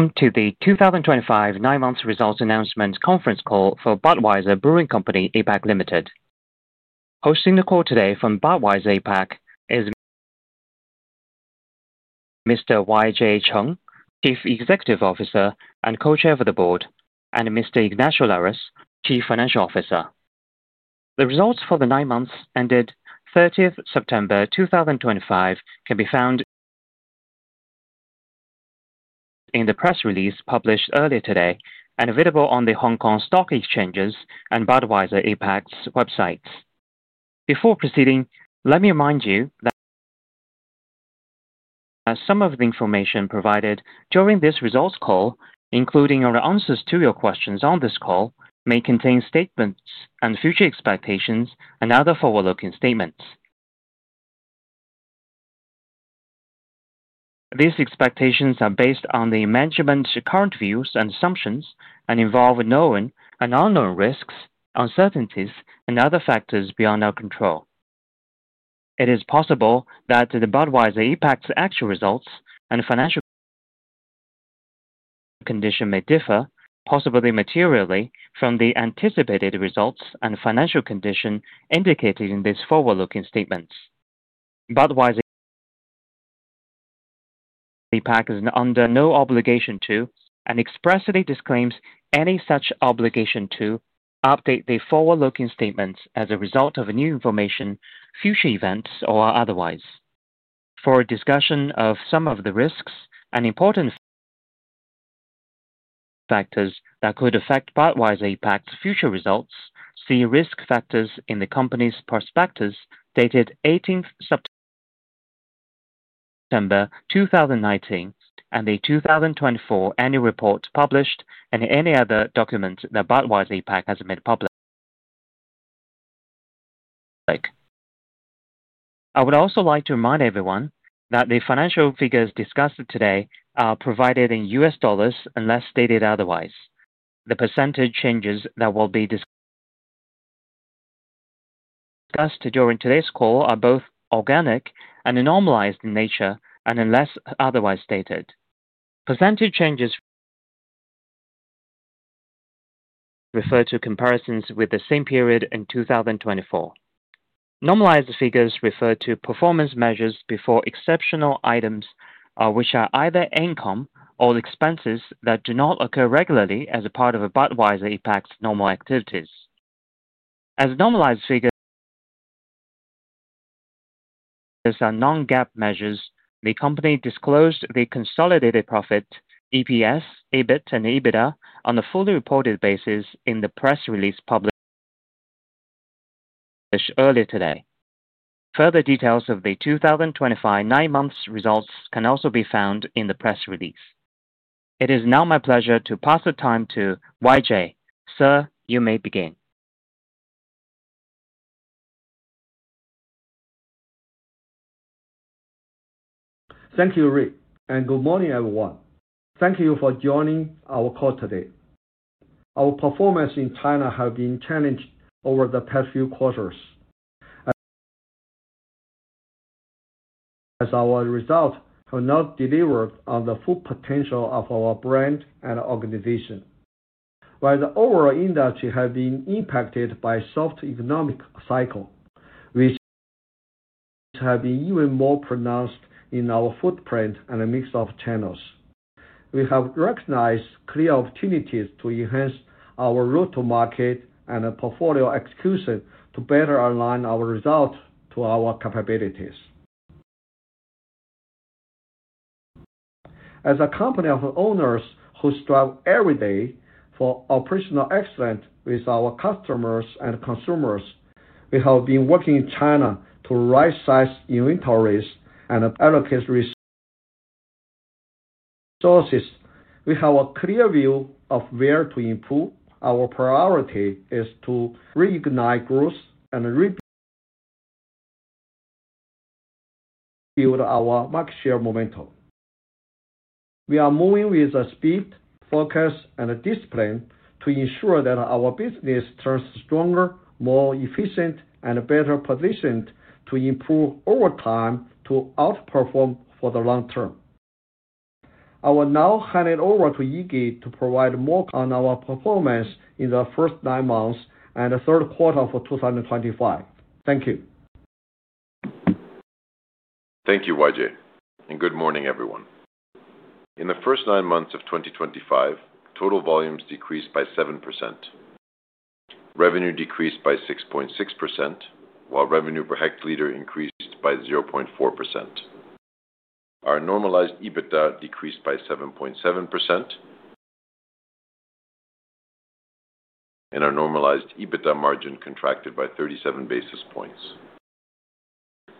Welcome to the 2025 nine months results announcement conference call for Budweiser Brewing Company APAC Limited. Hosting the call today from Budweiser APAC is Mr. YJ Cheng, Chief Executive Officer and Co-Chair of the Board, and Mr. Ignacio Lares, Chief Financial Officer. The results for the nine months ended 30 September 2025 can be found. In. The press release published earlier today and available on the Hong Kong stock exchanges and Budweiser APAC's websites. Before proceeding, let me remind you that some of the information provided during this results call, including our answers to your questions on this call, may contain statements and future expectations and other forward looking statements. These expectations are based on the management's current views and assumptions and involve known and unknown risks, uncertainties and other factors beyond our control. It is possible that Budweiser APAC's actual results and financial condition may differ, possibly materially, from the anticipated results and financial condition indicated in these forward looking statements. Budweiser APAC is under no obligation to and expressly disclaims any such obligation to update the forward looking statements as a result of new information, future events or otherwise. For a discussion of some of the risks and important factors that could affect Budweiser APAC's future results, see Risk Factors in the company's prospectus dated 18 September 2019 and the 2024 annual report published and any other documents that Budweiser APAC has made public. I would also like to remind everyone that the financial figures discussed today are provided in U.S. Dollars unless stated otherwise. The percentage changes that will be discussed during today's call are both organic and normalized in nature and unless otherwise stated, percentage changes refer to comparisons with the same period in 2024. Normalized figures refer to performance measures before exceptional items which are either income or expenses that do not occur regularly as a part of Budweiser APAC's normal activities as normalized figures are non-GAAP measures. The company disclosed the consolidated profit EPS, EBIT and EBITDA on a fully reported basis in the press release published earlier today. Further details of the 2025 nine months results can also be found in the press release. It is now my pleasure to pass the time to YJ, sir, you may begin. Thank you, Rick, and good morning, everyone. Thank you for joining our call today. Our performance in China has been challenged over the past few quarters as our results have not delivered on the full potential of our brand and organization, while the overall industry has been impacted by a soft economic cycle, which has been even more pronounced in our footprint and a mix of channels. We have recognized clear opportunities to enhance our route-to-market and portfolio execution to better align our results to our capabilities as a company of owners who strive every day for operational excellence with our customers and consumers. We have been working in China to right-size inventories and allocate resources. We have a clear view of where to improve. Our priority is to reignite growth and rebuild our market share momentum. We are moving with speed, focus, and discipline to ensure that our business turns stronger, more efficient, and better positioned to improve over time to outperform for the long term. I will now hand it over to Iggy to provide more on our performance in the first nine months and the third quarter for 2025. Thank you. Thank you, YJ, and good morning, everyone. In the first nine months of 2025, total volumes decreased by 7%, revenue decreased by 6.6%, while revenue per hectoliter increased by 0.4%. Our normalized EBITDA decreased by 7.7%, and our normalized EBITDA margin contracted by 37 basis points.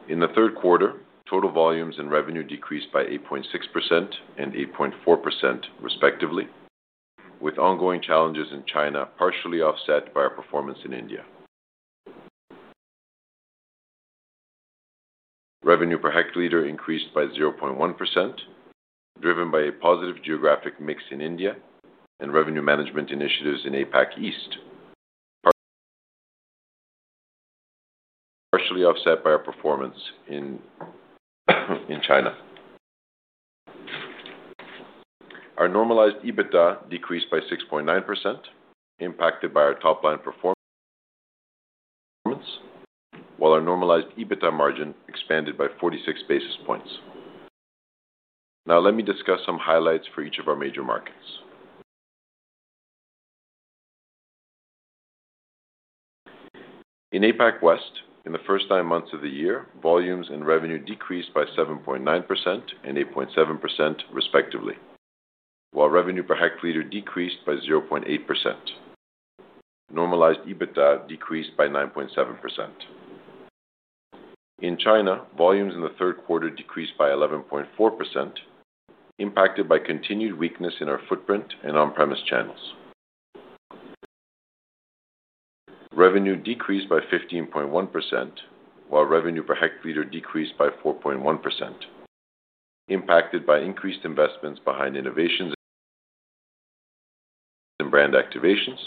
In the third quarter, total volumes and revenue decreased by 8.6% and 8.4%, respectively, with ongoing challenges in China partially offset by our performance in India. Revenue per hectoliter increased by 0.1%, driven by a positive geographic mix in India and revenue management initiatives in APAC East, partially offset by our performance in China. Our normalized EBITDA decreased by 6.9%, impacted by our top line performance, while our normalized EBITDA margin expanded by 46 basis points. Now let me discuss some highlights for each of our major markets in APAC West. In the first nine months of the year, volumes and revenue decreased by 7.9% and 8.7%, respectively, while revenue per hectoliter decreased by 0.8%. Normalized EBITDA decreased by 9.7%. In China, volumes in the third quarter decreased by 11.4%, impacted by continued weakness in our footprint and on-premise channels. Revenue decreased by 15.1%, while revenue per hectoliter decreased by 4.1%, impacted by increased investments behind innovations and brand activations,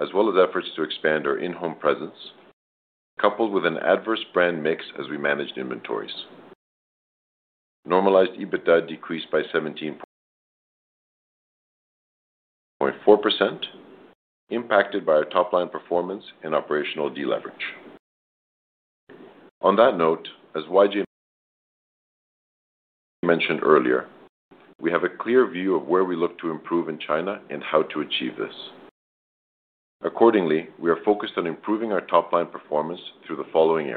as well as efforts to expand our in-home presence, coupled with an adverse brand mix. As we managed inventories, normalized EBITDA decreased by 17.4%, impacted by our top line performance and operational deleverage. On that note, as YJ mentioned earlier, we have a clear view of where we look to improve in China and how to achieve this. Accordingly, we are focused on improving our top line performance through the following: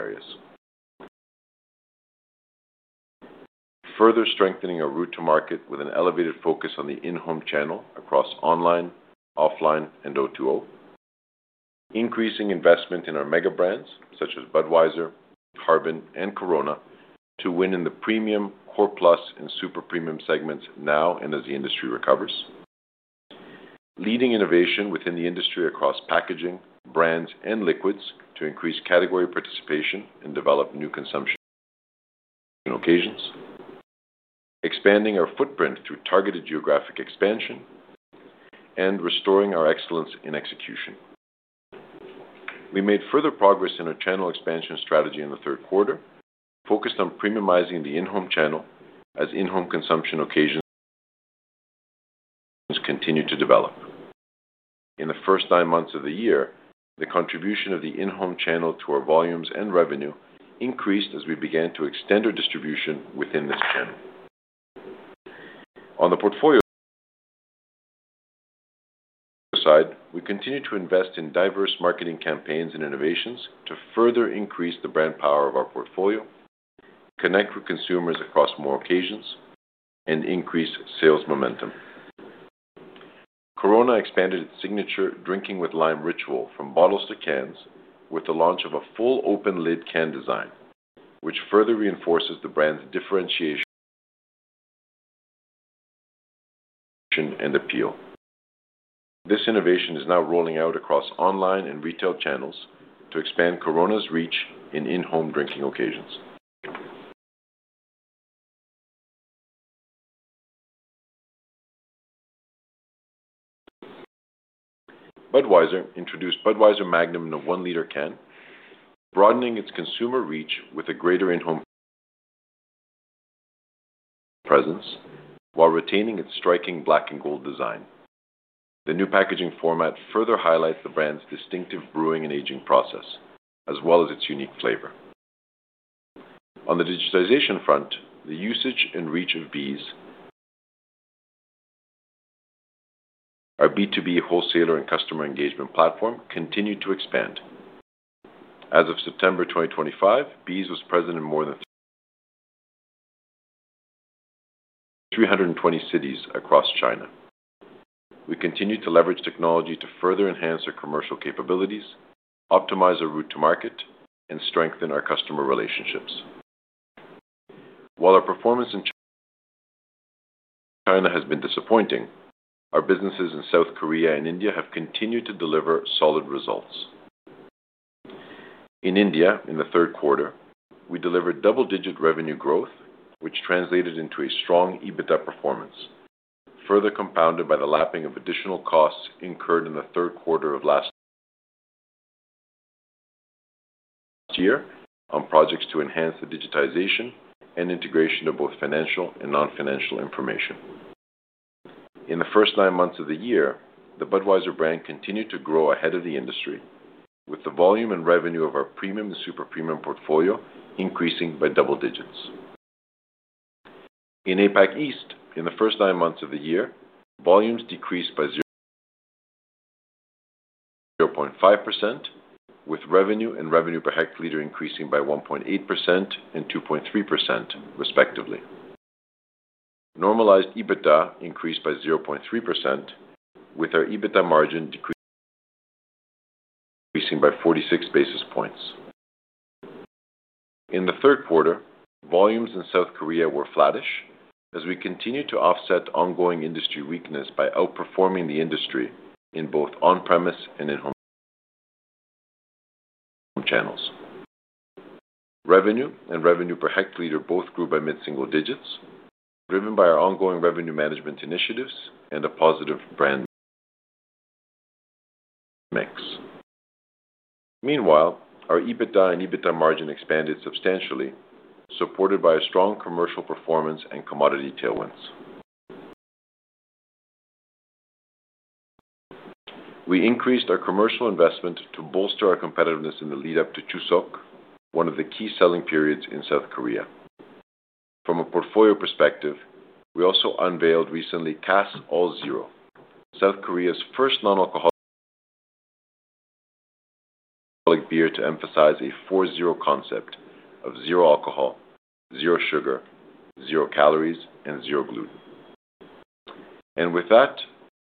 further strengthening our route-to-market with an elevated focus on the in-home channel across online, offline, and O2O; increasing investment in our mega brands such as Budweiser, Harbin, and Corona to win in the premium, Core+, and super premium segments now and as the industry recovers; leading innovation within the industry across packaging, brands, and liquids to increase category participation and develop new consumption occasions; expanding our footprint through targeted geographic expansion; and restoring our excellence in execution. We made further progress in our channel expansion strategy in the third quarter, focused on premiumizing the in-home channel. As in-home consumption occasions continue to develop in the first nine months of the year, the contribution of the in-home channel to our volumes and revenue increased as we began to extend our distribution within this channel. On the portfolio side, we continue to invest in diverse marketing campaigns and innovations to further increase the brand power of our portfolio, connect with consumers across more occasions, and increase sales momentum. Corona expanded its signature drinking with lime ritual from bottles to cans with the launch of a full open lid can design, which further reinforces the brand's differentiation and appeal. This innovation is now rolling out across online and retail channels to expand Corona's reach in in-home drinking occasions. Budweiser introduced Budweiser Magnum in a 1 L can, broadening its consumer reach with a greater in-home presence while retaining its striking black and gold design. The new packaging format further highlights the brand's distinctive brewing and aging process as well as its unique flavor. On the digitization front, the usage and reach of BEES, our B2B wholesaler and customer engagement platform, continued to expand. As of September 2025, BEES was present in more than 320 cities across China. We continue to leverage technology to further enhance our commercial capabilities, optimize our route-to-market, and strengthen our customer relationships. While our performance in China has been disappointing, our businesses in South Korea and India have continued to deliver solid results. In India, in the third quarter, we delivered double-digit revenue growth, which translated into a strong EBITDA performance, further compounded by the lapping of additional costs incurred in the third quarter of last year on projects to enhance the digitization and integration of both financial and non-financial information. In the first nine months of the year, the Budweiser brand continued to grow ahead of the industry, with the volume and revenue of our premium and super premium portfolio increasing by double digits. In APAC East, in the first nine months of the year, volumes decreased by 0.5% with revenue and revenue per hectoliter increasing by 1.8% and 2.3% respectively. Normalized EBITDA increased by 0.3% with our EBITDA margin increasing by 46 basis points in the third quarter. Volumes in South Korea were flattish as we continued to offset ongoing industry weakness by outperforming the industry in both on-premise and in-home channels. Revenue and revenue per hectoliter both grew by mid single digits, driven by our ongoing revenue management initiatives and a positive brand. Mix. Meanwhile, our EBITDA and EBITDA margin expanded substantially, supported by a strong commercial performance and commodity tailwinds. We increased our commercial investment to bolster our competitiveness in the lead up to Chuseok, one of the key selling periods in South Korea. From a portfolio perspective, we also unveiled recently Cass All Zero, South Korea's first non-alcoholic beer, to emphasize a 4-0 concept of zero alcohol, zero sugar, zero calories, and zero gluten. With that,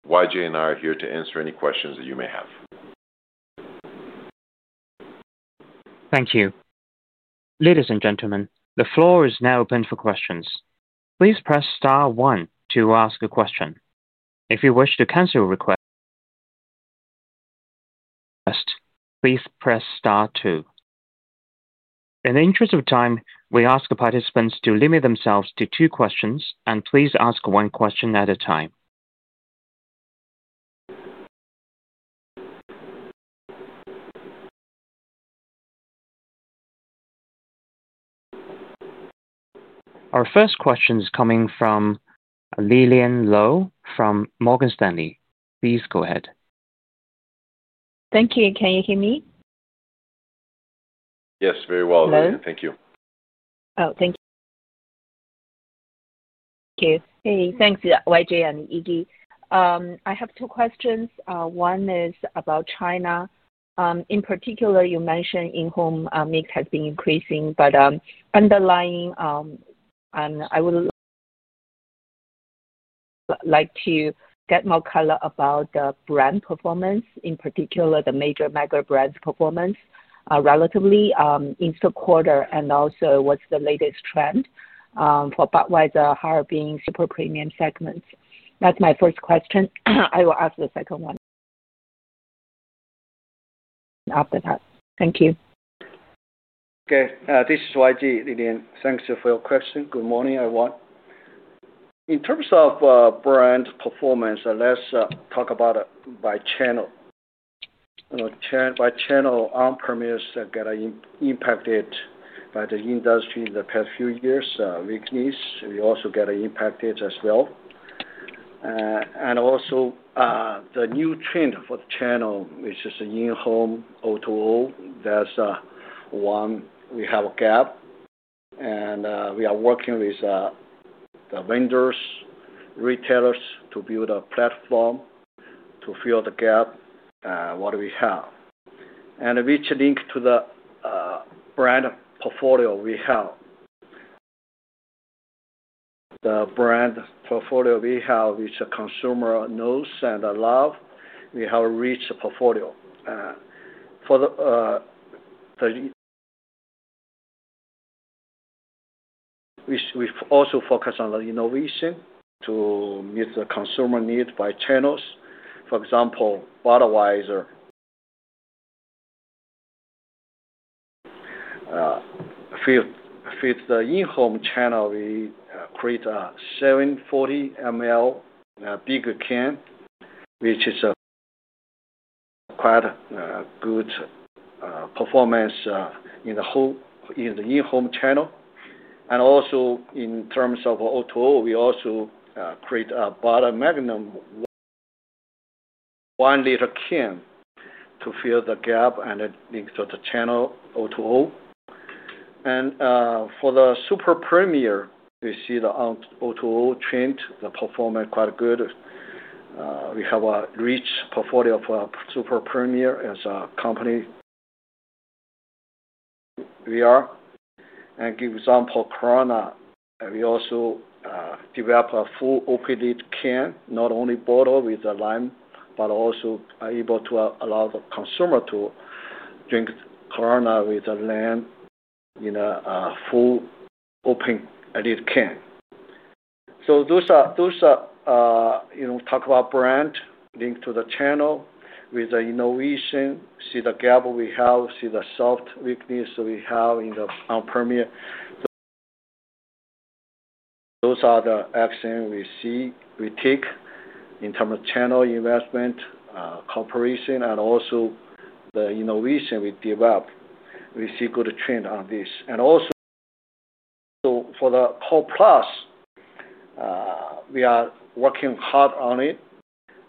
YJ and I are here to answer any questions that you may have. Thank you. Ladies and gentlemen, the floor is now open for questions. Please press star one to ask a question. If you wish to cancel your request, please press star two. In the interest of time, we ask participants to limit themselves to two questions and please ask one question at a time. Our first question is coming from Lillian Lou from Morgan Stanley. Please go ahead. Thank you. Can you hear me? Yes, very well Lou. Thank you. Thank you. Thank you YJ and Iggy. I have two questions. One is about China. In particular, you mentioned in-home mix has been increasing, but underlying, I would like to get more color about the brand performance. In particular, the major mega brands' performance relative to the Easter quarter, and also what's the latest trend for Budweiser, higher, being super premium segments. That's my first question. I will ask the second one. After that. Thank you. Okay, this is YJ, Lillian, thanks for your question. Good morning everyone. In terms of brand performance, let's talk about by channel. By channel, on-premise got impacted by the industry in the past few years' weakness. We also get impacted as well. Also, the new trend for the channel, which is in-home O2O, there's one we have a gap and we are working with the vendors, retailers to build a platform to fill the gap. What we have, and which links to the brand portfolio we have. The brand portfolio we have, which the consumer knows and loves. We have a rich portfolio. We also focus on the innovation to meet the consumer need by channels. For example, Budweiser fits the in-home channel. We create a 740 ml big can, which is quite good performance in the whole in the in-home channel. Also, in terms of O2O, we also create a bottle Magnum 1 L can to fill the gap and insert the channel O2O. For the super premium, we see the O2O trend, the performance quite good. We have a rich portfolio for super premium. As a company, we are, and give example, Corona. We also develop a full open can, not only bottle with lime but also able to allow the consumer to drink Corona with lime in a full open can. Those are, you know, talk about brand link to the channel with the innovation. See the gap we have, see the soft weakness we have in the on-premise. Those are the actions we see, we take in terms of channel investment, cooperation, and also the innovation we develop. We see good trend on this. Also, for the Core+, we are working hard on it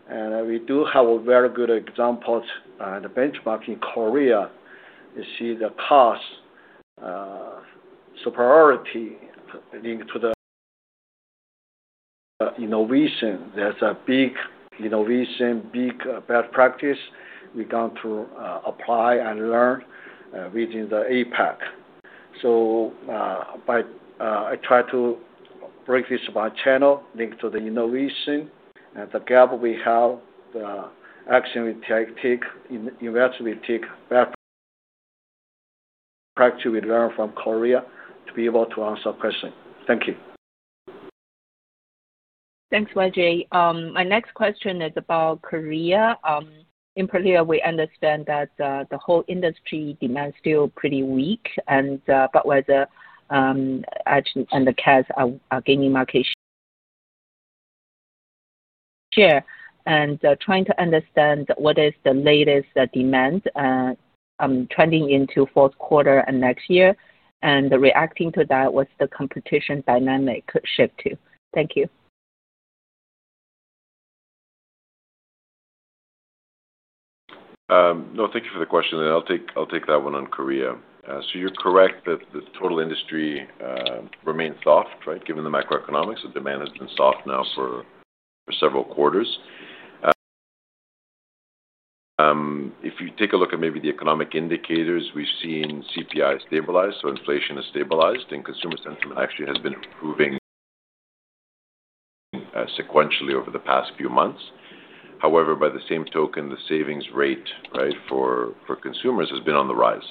and we do have a very good example, the benchmark in Korea. You see the cost superiority linked to the innovation. There's a big innovation, big best practice we're going to apply and learn within the APAC. I try to break this by channel, link to the innovation and the gap. We have the action we take, invest, we take practice. We learned from Korea to be able to answer question, thank you. Thanks, YJ. My next question is about Korea. In Korea, we understand that the whole industry demand is still pretty weak, and the weather and Cass are gaining market. Share. Trying to understand what is the latest demand trending into the fourth quarter and next year, and reacting to that with the competition dynamic shift too. Thank you. No, thank you for the question and I'll take that one on Korea. You're correct that the total industry remains soft, right? Given the macroeconomics, the demand has been soft now for several quarters. If you take a look at maybe the economic indicators, we've seen CPI stabilize. Inflation has stabilized and consumer sentiment actually has been improving sequentially over the past few months. However, by the same token, the savings rate for consumers has been on the rise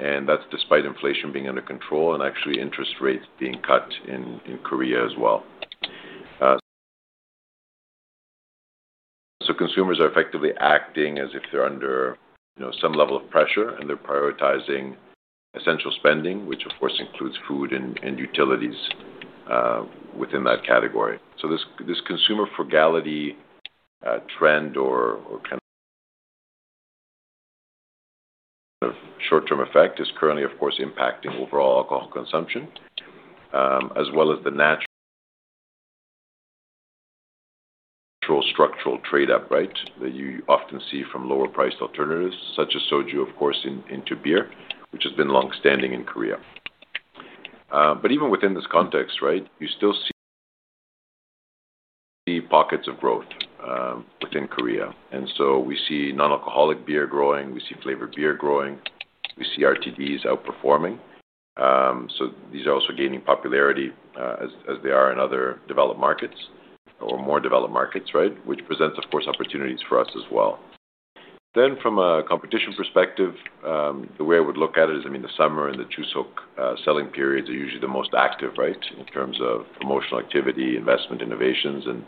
and that's despite inflation being under control and actually interest rates being cut in Korea as well. Consumers are effectively acting as if they're under some level of pressure and they're prioritizing essential spending, which of course includes food and utilities within that category. This consumer frugality trend or kind of short term effect is currently of course impacting overall alcohol consumption as well as the natural structural trade up that you often see from lower priced alternatives such as Soju into beer, which has been long standing in Korea. Even within this context, you. Still see. Pockets of growth within Korea. We see non-alcoholic beer growing, we see flavored beer growing, we see RTDs outperforming. These are also gaining popularity as they are in other developed markets or more developed markets, which presents, of course, opportunities for us as well. From a competition perspective, the way I would look at it is the summer and the Chuseok selling periods are usually the most active in terms of promotional activity, investment, innovations, and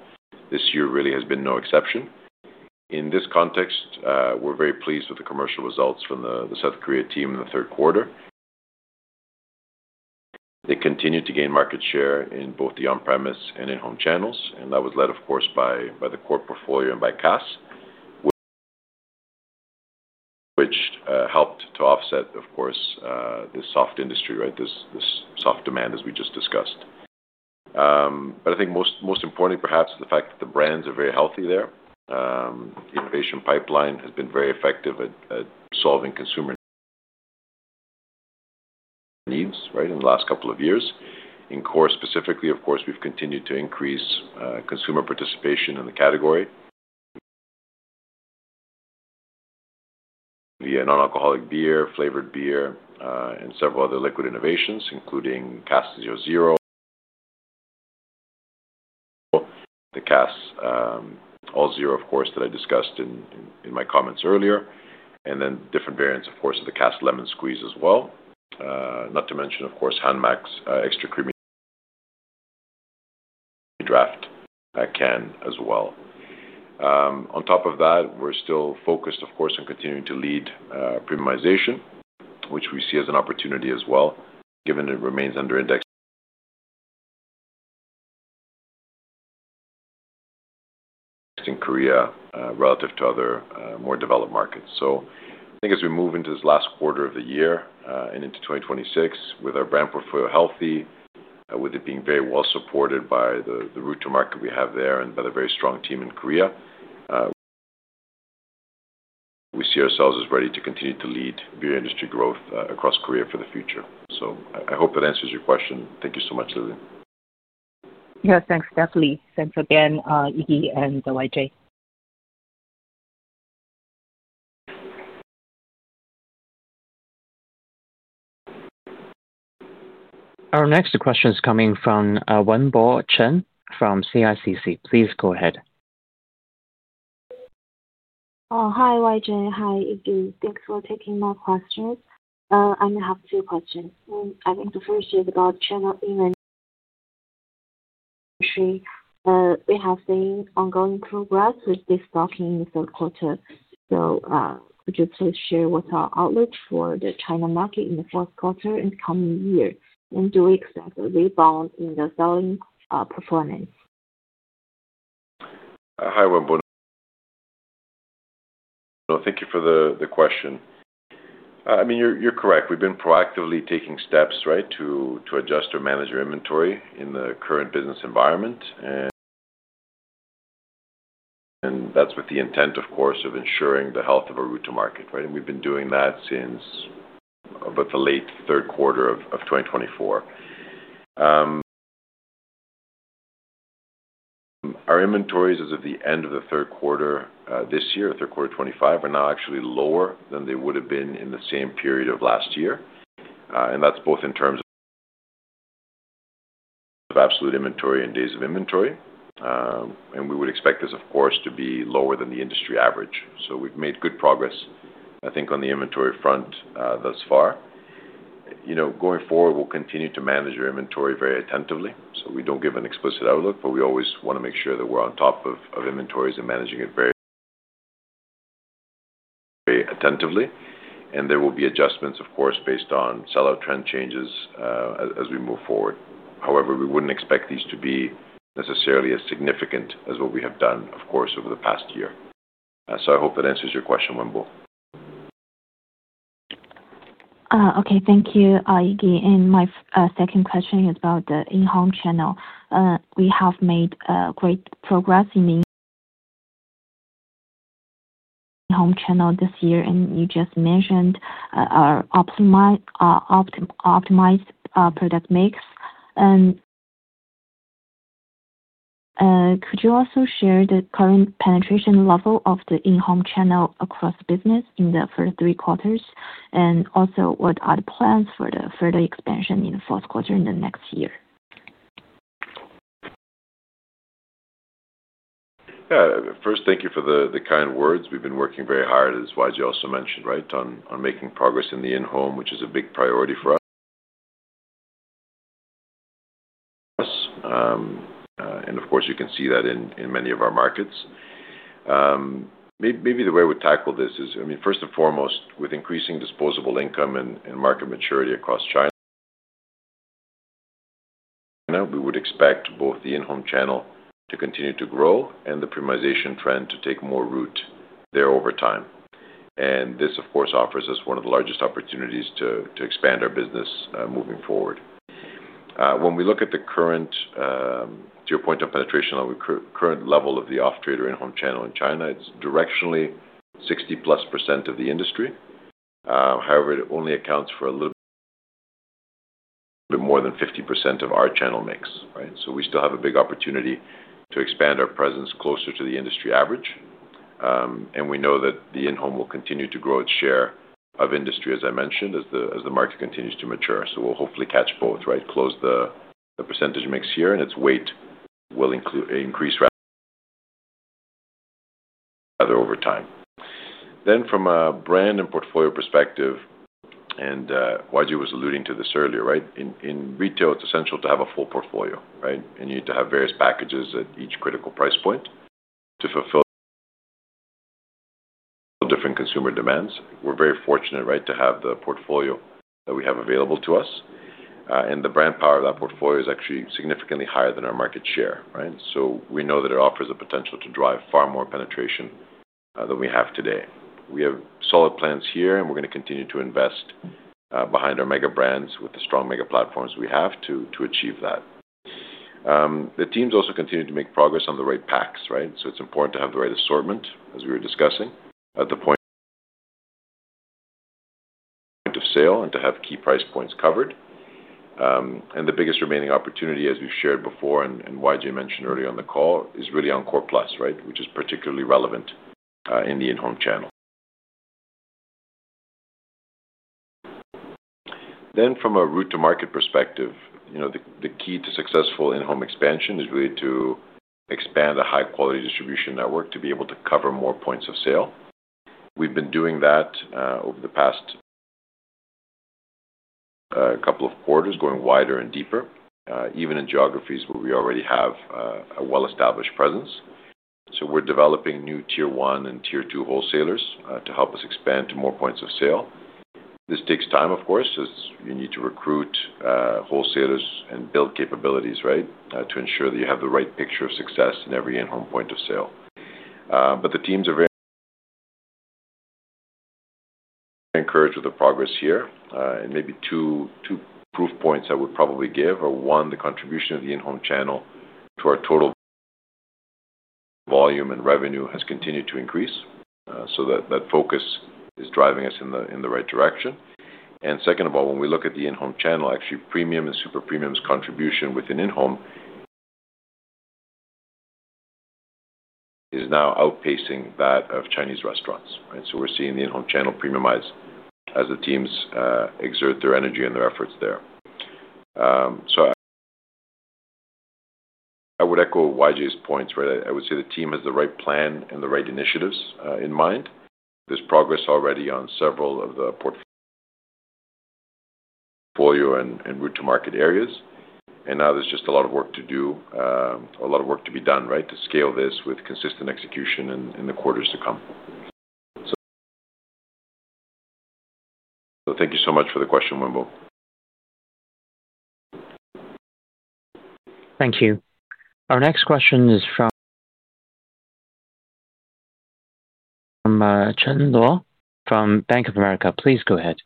this year really has been no exception in this context. We're very pleased with the commercial results from the South Korea team in the third quarter. They continue to gain market share in both the on-premise and in-home channels, and that was led, of course, by the core portfolio and by Cass, which helped to offset, of course, this soft industry, this soft demand, as we just discussed. I think most importantly, perhaps, the fact that the brands are very healthy there. The innovation pipeline has been very effective at solving consumer needs. In the last couple of years in core specifically, of course, we've continued to increase consumer participation in the category via non-alcoholic beer, flavored beer, and several other liquid innovations, including Cass All Zero, of course, that I discussed in my comments earlier, and then different variants, of course, of the Cass Lemon Squeeze as well, not to mention, of course, Hanmac Extra Creamy Draft Can. as well. On top of that, we're still focused, of course, on continuing to lead premiumization, which we see as an opportunity as well, given it remains under index in Korea relative to other more developed markets. I think as we move into this last quarter of the year and into 2026, with our brand portfolio healthy, with it being very well supported by the route-to-market we have there and by the very strong team in Korea, we see ourselves as ready to continue to lead beer industry growth across Korea for the future. I hope that answers your question. Thank you so much, Lillian. Yeah, thanks. Definitely. Thanks again. Iggy and YJ. Our next question is coming from Wenbo Chen from CICC. Please go ahead. Hi YJ. Hi Iggy. Thanks for taking my questions. I may have two questions. I think the first is about channel eventually. We have seen ongoing progress with destocking in the third quarter, so could you please share what's our outlook for the China market in the fourth quarter and coming year, and do we expect a rebound in the selling performance? Hi Wenbo, thank you for the question. I mean, you're correct. We've been proactively taking steps to adjust or manage our inventory in the current business environment. That's with the intent, of course, of ensuring the health of our route-to-market. We've been doing that since about the late third quarter of 2024. Our inventories as of the end of the third quarter this year, third quarter 2025, are now actually lower than they would have been in the same period of last year. That's both in terms of absolute inventory and days of inventory. We would expect this, of course, to be lower than the industry average. We've made good progress, I think, on the inventory front thus far. Going forward, we'll continue to manage our inventory very attentively. We don't give an explicit outlook, but we always want to make sure that we're on top of inventories and managing it very attentively. There will be adjustments, of course, based on sellout trend changes as we move forward. However, we wouldn't expect these to be necessarily as significant as what we have done, of course, over the past year. I hope that answers your question, Wenbo. Okay, thank you. My second question is about the in-home channel. We have made great progress in the in-home channel this year, and you just mentioned our optimized product mix. Could you also share the current penetration level of the in-home channel across the business in the first three quarters, and also what are the plans for further expansion in the fourth quarter and next year? First, thank you for the kind words. We've been working very hard, as YJ also mentioned, on making progress in the in-home, which is a big priority for us. Of course, you can see that in many of our markets. Maybe the way we tackle this is, I mean, first and foremost, with increasing disposable income and market maturity across China, we would expect both the in-home channel to continue to grow and the premiumization trend to take more root there over time. This, of course, offers us one of the largest opportunities to expand our business moving forward. When we look at the current, to your point of penetration on the current level of the off-trade or in-home channel in China, it's directionally 60%+ of the industry. However, it only accounts for a little bit more than 50% of our channel mix. We still have a big opportunity to expand our presence closer to the industry average. We know that the in-home will continue to grow its share of industry, as I mentioned, as the market continues to mature. We'll hopefully catch both, close the percentage mix here, and its weight will increase rather over time. From a brand and portfolio perspective, and YJ was alluding to this earlier in retail, it's essential to have a full portfolio. You need to have various packages at each critical price point to fulfill different consumer demands. We're very fortunate to have the portfolio that we have available to us, and the brand power of that portfolio is actually significantly higher than our market share. We know that it offers the potential to drive far more penetration than we have today. We have solid plans here, and we're going to continue to invest behind our mega brands with the strong mega platforms we have to achieve that. The teams also continue to make progress on the right packs. It's important to have the right assortment as we were discussing at the. Point. Of sale and to have key price points covered. The biggest remaining opportunity, as we've shared before and Yanjun Cheng mentioned earlier on the call, is really on Core+, which is particularly relevant in the in-home channel. From a route-to-market perspective, the key to successful in-home expansion is really to expand a high-quality distribution network to be able to cover more points of sale. We've been doing that over the past couple of quarters, going wider and deeper, even in geographies where we already have a well-established presence. We're developing new Tier 1 and Tier 2 wholesalers to help us expand to more points of sale. This takes time, of course, as you need to recruit wholesalers and build capabilities to ensure that you have the right picture of success in every in-home point of sale. The teams are very encouraged with the progress here. Maybe two proof points I would probably give are, one, the contribution of the in-home channel to our total volume and revenue has continued to increase. That focus is driving us in the right direction. Second of all, when we look at the in-home channel, actually Premium and Super Premium's contribution within in-home is now outpacing that of Chinese restaurants. We're seeing the in-home channel premiumize as the teams exert their energy and their efforts there. I would echo YJ's points. I would say the team has the right plan and the right initiatives in mind. There's progress already on several of the portfolio and route-to-market areas. Now there's just a lot of work to do, a lot of work to be done to scale this with consistent execution in the quarters to come. Thank you so much for the question, Wenbo. Thank you. Our next question is from Bank of America. Please go ahead.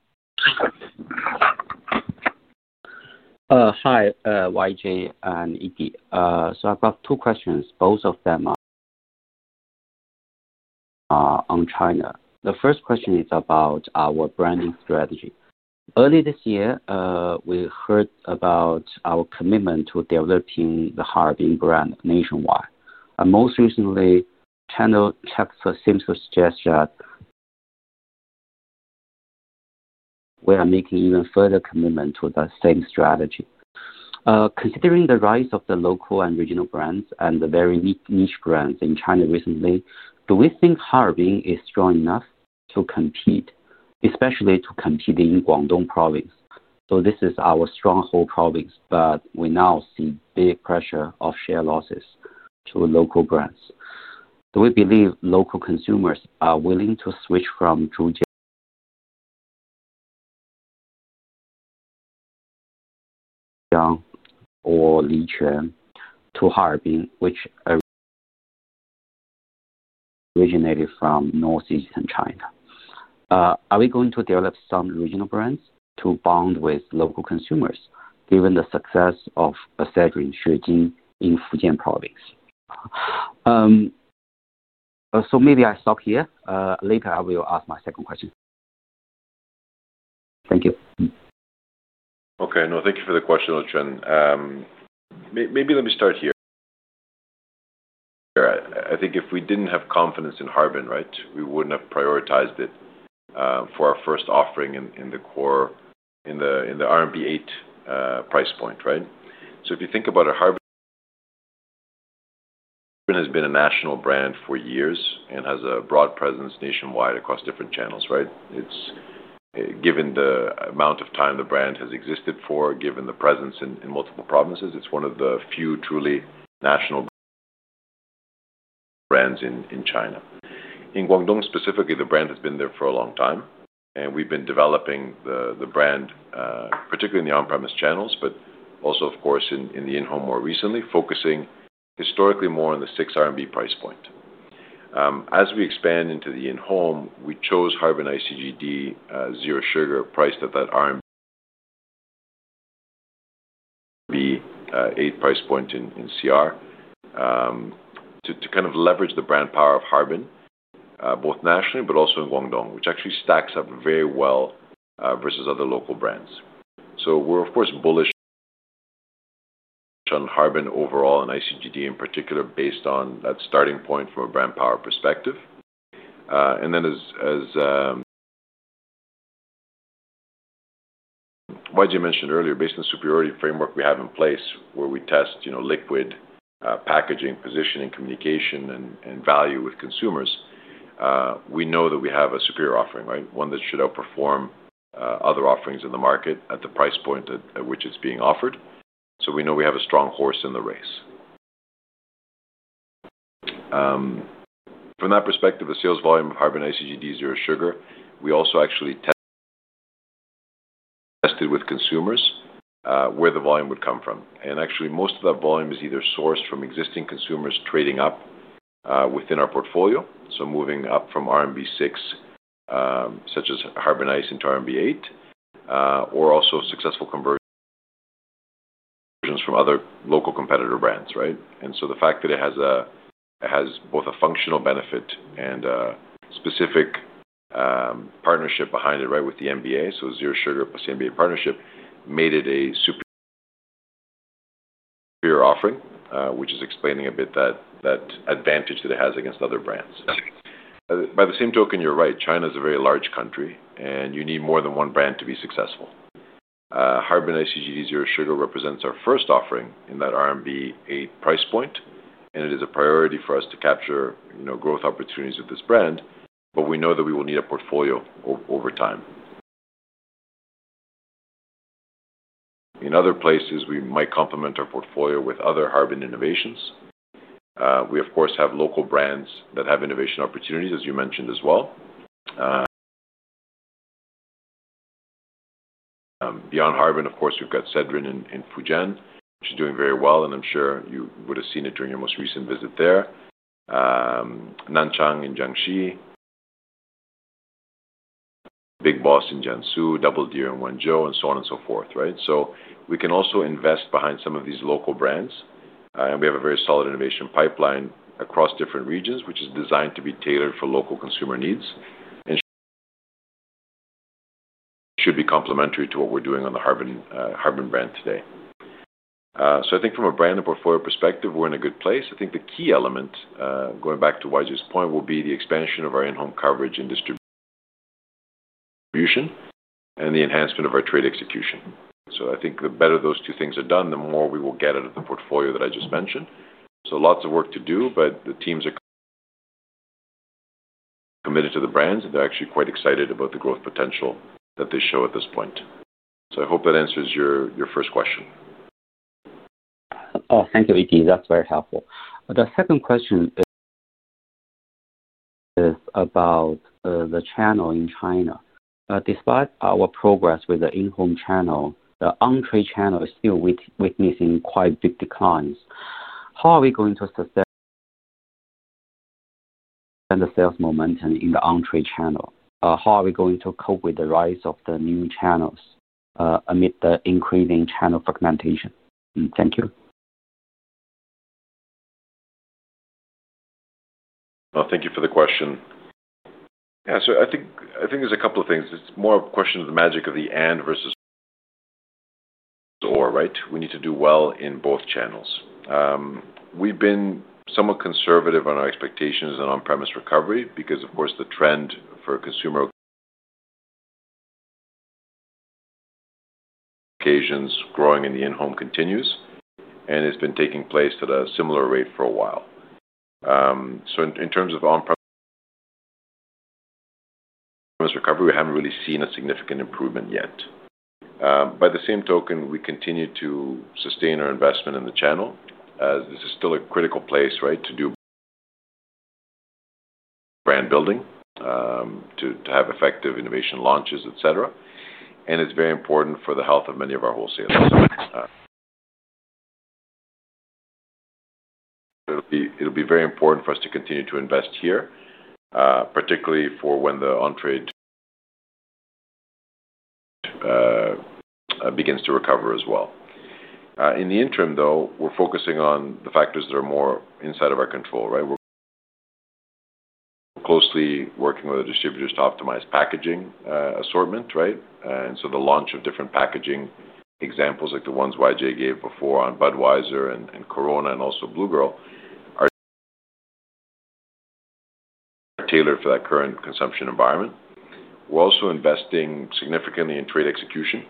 Hi YJ and Iggy. I've got two questions, both of them are on China. The first question is about our branding strategy. Earlier this year we heard about our commitment to developing the Harbin brand nationwide. Most recently, channel text seems to suggest that we are making even further commitment to the same strategy. Considering the rise of the local and regional brands and the very niche brands in China recently, do we think Harbin is strong enough to compete? Especially to compete in Guangdong province? This is our stronghold province. We now see big pressure of share losses to local brands. Do we believe local consumers are willing to switch from Zhujiang or Liquan to Harbin, which originated from northeastern China? Are we going to develop some regional brands to bond with local consumers given the success of Sedrin Shijin in Fujian province? I will stop here. Later, I will ask my second question. Thank you. No, thank you for the question. Maybe let me start here. I think if we didn't have confidence in Harbin, we wouldn't have prioritized it for our first offering in the core in the RMB 8 price point. If you think about it, Harbin has been a national brand for years and has a broad presence nationwide across different channels. Given the amount of time the brand has existed, given the presence in multiple provinces, it's one of the few truly national brands in China. In Guangdong specifically, the brand has been there for a long time and we've been developing the brand particularly in the on-premise channels, but also of course in the in-home. More recently, focusing historically more on the 6 price point as we expand into the in-home, we chose Harbin ICGD zero sugar priced at that 8 price point in CR to kind of leverage the brand power of Harbin both nationally but also in Guangdong, which actually stacks up very well versus other local brands. We're of course bullish on Harbin overall and ICGD in particular based on that starting point from a brand power perspective. As YJ mentioned earlier, based on the superiority framework we have in place where we test liquid, packaging, positioning, communication, and value with consumers, we know that we have a superior offering, one that should outperform other offerings in the market at the price point at which it's being offered. We know we have a strong horse in the race from that perspective. The sales volume of Harbin ICGD zero sugar, we also actually tested with consumers where the volume would come from. Most of that volume is either sourced from existing consumers trading up within our portfolio, moving up from RMB 6 such as Harbin Ice into RMB 8, or also successful conversions from other local competitor brands. The fact that it has both a functional benefit and a specific partnership behind it. Right. With the MBA. So Zero Sugar plus the MBA partnership made it a superior offering, which is explaining a bit that advantage that it has against other brands. By the same token, you're right, China is a very large country and you need more than one brand to be successful. Harbin ICGD zero sugar represents our first offering in that RMB 8 price point and it is a priority for us to capture growth opportunities with this brand. We know that we will need a portfolio over time in other places. We might complement our portfolio with other Harbin innovations. We of course have local brands that have innovation opportunities as you mentioned as well. Beyond Harbin, of course, we've got Sedrin in Fujian which is doing very well and I'm sure you would have seen it during your most recent visit there. Nanchang in Jiangxi, Big Boss in Jiangsu, Double Deer in Wenzhou and so on and so forth. We can also invest behind some of these local brands and we have a very solid innovation pipeline across different regions which is designed to be tailored for local consumer needs and should be complementary to what we're doing on the Harbin brand today. I think from a brand and portfolio perspective, we're in a good place. I think the key element going back to YJ's point will be the expansion of our in-home coverage industry. And. The enhancement of our trade execution, I think, the better those two things are done, the more we will get out of the portfolio that I just mentioned. There is lots of work to do, but the teams are committed to the brands, and they're actually quite excited about the growth potential that they show at this point. I hope that answers your first question. Thank you, that's very helpful. The second question is about the channel in China. Despite our progress with the in-home channel, the on-trade channel is still witnessing quite big declines. How are we going to sustain the sales momentum in the on-trade channel? How are we going to cope with the rise of the new channels amid the increasing channel fragmentation? Thank you. Thank you for the question. I think there's a couple of things. It's more a question of the magic of the and versus or, right? We need to do well in both channels. We've been somewhat conservative on our expectations on on-premise recovery because, of course, the trend for consumer occasions growing in the in-home continues, and it's been taking place at a similar rate for a while. So in terms of on. Premise. Recovery, we haven't really seen a significant improvement yet. By the same token, we continue to sustain our investment in the channel as this is still a critical place to do brand building, to have effective innovation launches, et cetera. It's very important for the health of many of our wholesalers. It'll be very important for us to continue to invest here, particularly for when the on trade begins to recover as well. In the interim, we're focusing on the factors that are more inside of our control. We're. Closely working with the distributors to optimize packaging assortment. The launch of different packaging examples like the ones YJ gave before on Budweiser and Corona and also Blue Girl are tailored for that current consumption environment. We're also investing significantly in trade execution.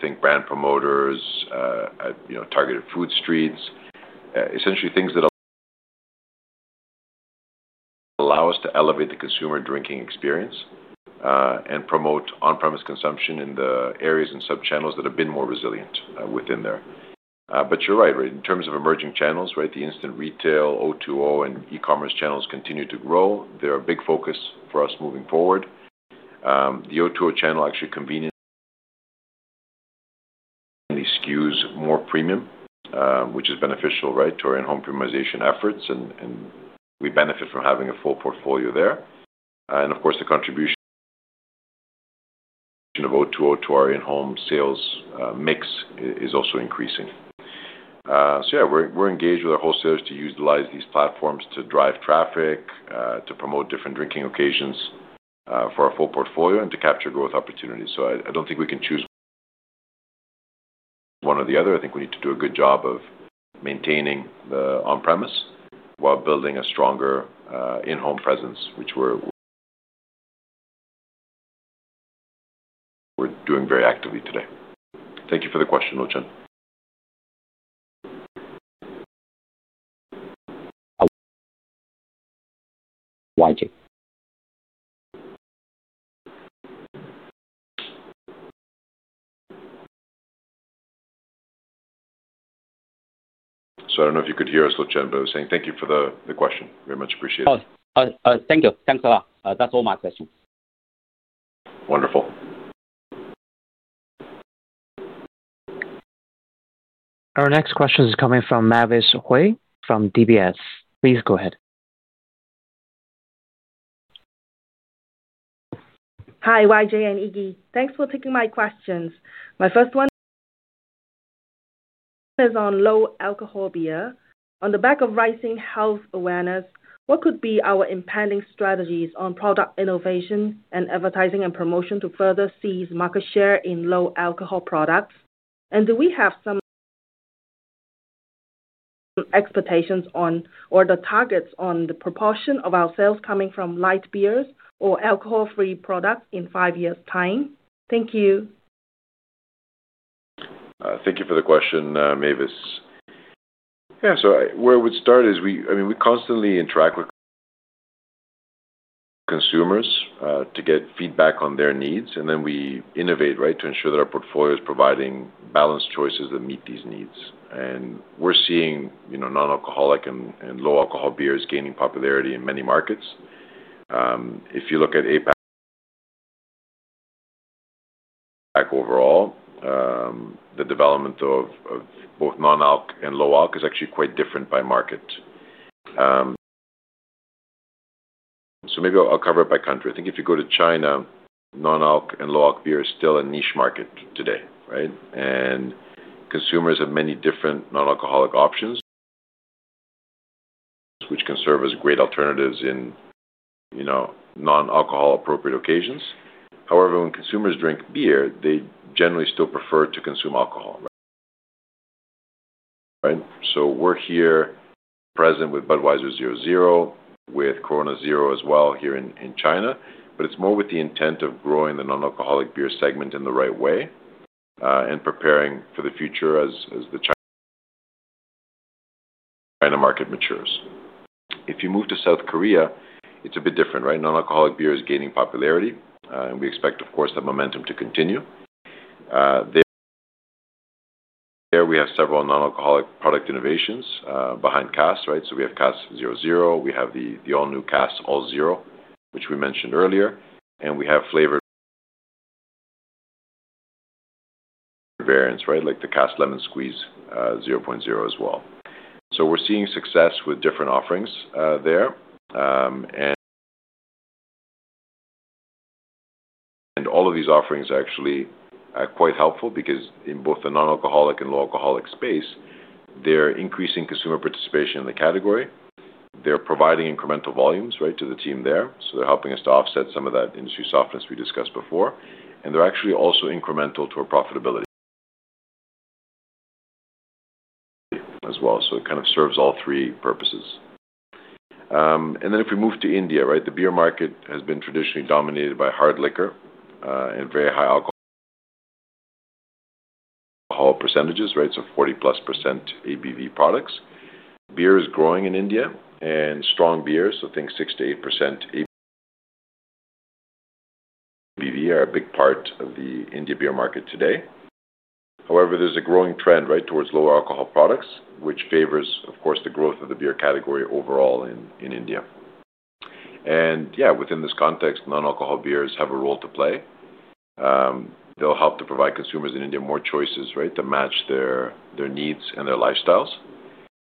Think brand promoters, targeted food streets, essentially things that allow us to elevate the consumer drinking experience and promote on-premise consumption in the areas and sub-channels that have been more resilient within there. You're right in terms of emerging channels. The instant retail O2O and E-commerce channels continue to grow. They're a big focus for us moving forward. The O2O channel actually conveniently skews more premium, which is beneficial to our in-home premiumization efforts, and we benefit from having a full portfolio there. Of course, the contribution of O2O to our in-home sales mix is also increasing. We're engaged with our wholesalers to utilize these platforms to drive traffic, to promote different drinking occasions for our full portfolio, and to capture growth opportunities. I don't think we can choose one or the other. I think we need to do a good job of maintaining the on-premise while building a stronger in-home presence, which we're doing very actively today. Thank you for the question, Ochin. I don't know if you could hear us saying thank you for the question. Very much appreciate it. Thank you. Thanks a lot. That's all. My question. Wonderful. Our next question is coming from Mavis Hui from DBS. Please go ahead. Hi YJ and Iggy. Thanks for taking my questions. My first one is on low alcohol beer on the back of rising health awareness. What could be our impending strategies on product innovation and advertising and promotion to further seize market share in low alcohol products, and do we have some expectations or the targets on the proportion of our sales coming from light beers or alcohol free products in 5 years' time? Thank you. Thank you for the question, Mavis. Yeah, so where I would start is we constantly interact with consumers to get feedback on their needs, and then we innovate, right, to ensure that our portfolio is providing balanced choices that meet these needs. We're seeing non-alcoholic and low alcohol beers gaining popularity in many markets. If you look at APAC overall, the development of both non-alcoholic and low alcohol is actually quite different by market. Maybe I'll cover it by country. I think if you go to China, non-alcoholic and low alcohol beer is still a niche market today, right? Consumers have many different non-alcoholic options which can serve as great alternatives in non-alcohol appropriate occasions. However, when consumers drink beer, they generally still prefer to consume alcohol. We're here present with Budweiser 0.0 with Corona 0.0 as well here in China. It's more with the intent of growing the non-alcoholic beer segment in the right way and preparing for the future as the China market matures. If you move to South Korea, it's a bit different, right? Non-alcoholic beer is gaining popularity, and we expect that momentum to continue there. We have several non-alcoholic product innovations behind Cass, right? We have Cass 0.0. We have the all new Cass All Zero, which we mentioned earlier. We have flavored variants, like the Cass Lemon Squeeze 0.0 as well. We're seeing success with different offerings there. All of these offerings are actually quite helpful because in both the non-alcoholic and low alcoholic space, they're increasing consumer participation in the category. They're providing incremental volumes to the team there. They're helping us to offset some of that industry softness we discussed before. They're actually also incremental to our profitability as well. It kind of serves all three purposes. If we move to India, the beer market has been traditionally dominated by hard liquor and very high alcohol percentages, right? So 40%+ ABV products. Beer is growing in India, and strong beers, so think 6%-8% ABV, are a big part of the India beer market today. However, there's a growing trend towards lower alcohol products, which favors the growth of the beer category overall in India. Within this context, non-alcohol beers have a role to play. They'll help to provide consumers in India more choices to match their needs and their lifestyles.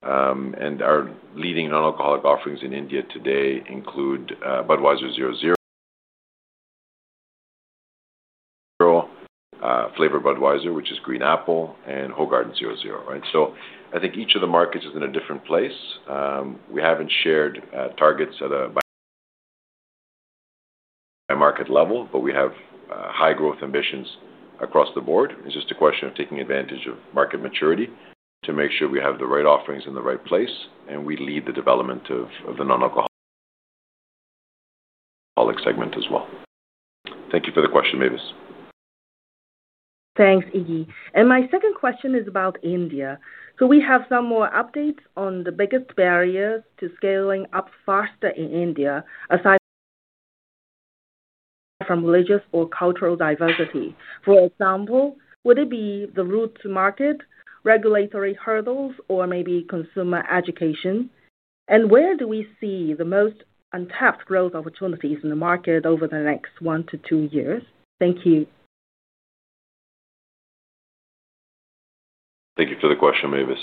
Our leading non-alcoholic offerings in India today include Budweiser 0.0, Budweiser which is green apple, and Hoegaarden 0.0. Each of the markets is in a different place. We haven't shared targets at a market level, but we have high growth ambitions across the board. It's just a question of taking advantage of market maturity to make sure we have the right offerings in the right place. We lead the development of the non-alcohol segment as well. Thank you for the question, Mavis. Thanks, Iggy. My second question is about India. We have some more updates on the biggest barriers to scaling up faster in India, aside from religious or cultural diversity. For example, would it be the route-to-market regulatory hurdles or maybe consumer education? Where do we see the most untapped growth opportunities in the market over the next one to two years? Thank you. Thank you for the question, Mavis.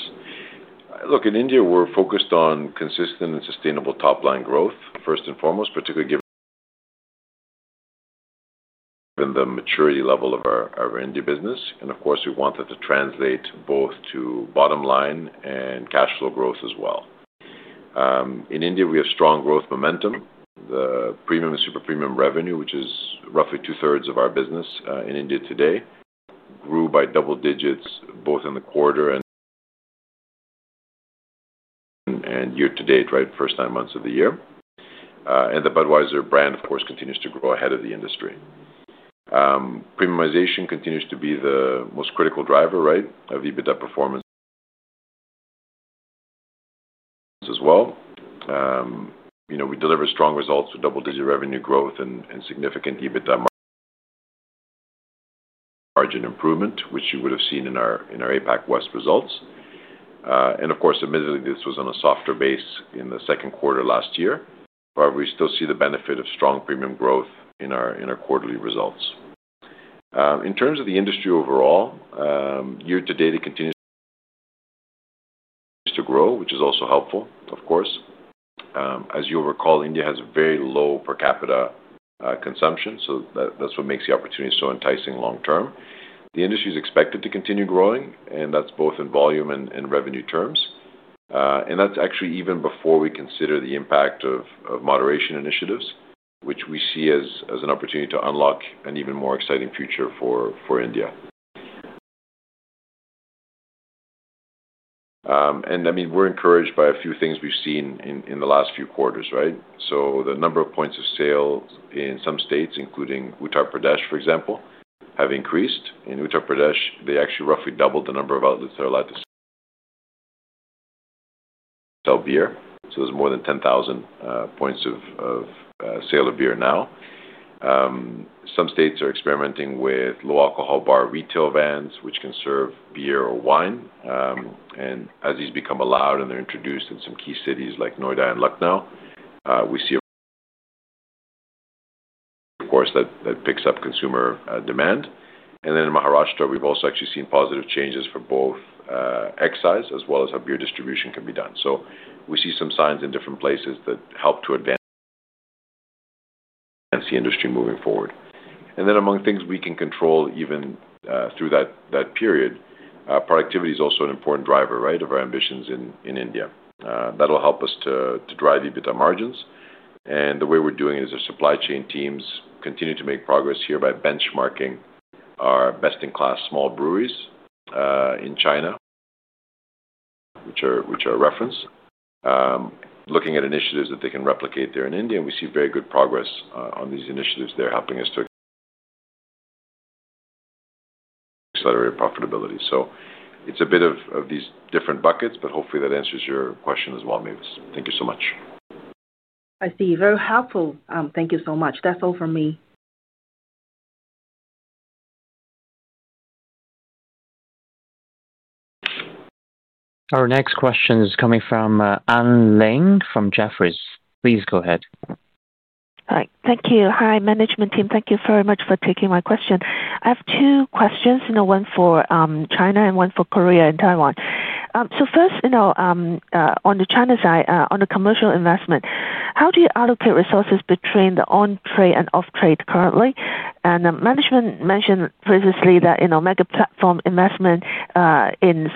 Look, in India we're focused on consistent and sustainable top line growth first and foremost, particularly given the maturity level of our India business. Of course we wanted to translate both to bottom line and cash flow growth as well. In India we have strong growth momentum. The premium and super premium revenue, which is roughly two thirds of our business in India today, grew by double digits both in the quarter and year to date. Right? First nine months of the year. The Budweiser brand of course continues to grow ahead of the industry. Premiumization continues to be the most critical driver of EBITDA performance as well. You know, we delivered strong results with double digit revenue growth and significant EBITDA margin improvement which you would have seen in our, in our APAC West results. Admittedly this was on a softer base in the second quarter last year. However, we still see the benefit of strong premium growth in our, in our quarterly results. In terms of the industry overall year to date, it continues to grow, which is also helpful. Of course. As you recall, India has very low per capita consumption. That's what makes the opportunity so enticing. Long term, the industry is expected to continue growing and that's both in volume and revenue terms. That's actually even before we consider the impact of moderation initiatives, which we see as an opportunity to unlock an even more exciting future for India. I mean, we're encouraged by a few things we've seen in the last few quarters. Right? The number of points of sale in some states, including Uttar Pradesh for example, have increased. In Uttar Pradesh, they actually roughly doubled the number of outlets they're allowed to sell beer. There's more than 10,000 points of sale of beer. Now some states are experimenting with low alcohol bar retail vans which can serve beer or wine. As these become allowed and they're introduced in some key cities like Noida and Lucknow, we see of course that picks up consumer demand. In Maharashtra, we've also actually seen positive changes for both excise as well as how beer distribution can be done. We see some signs in different places that help to advance the industry moving forward. Among things we can control even through that period, productivity is also an important driver. Right. Of our ambitions in India that will help us to drive EBITDA margins. Our supply chain teams continue to make progress here by benchmarking our best-in-class small breweries in China, which are referenced looking at initiatives that they can replicate there in India. We see very good progress on these initiatives. They're helping us to accelerate profitability. It's a bit of these different buckets, but hopefully that answers your question as well. Mavis, thank you so much. I see. Very helpful. Thank you so much. That's all for me. Our next question is coming from Anne Ling from Jefferies. Please go ahead. Thank you. Hi management team. Thank you very much for taking my question. I have two questions, one for China and one for Korea and Taiwan. First, on the China side, on the commercial investment, how do you allocate resources between the on trade and off trade currently? Management mentioned previously that mega platform investment in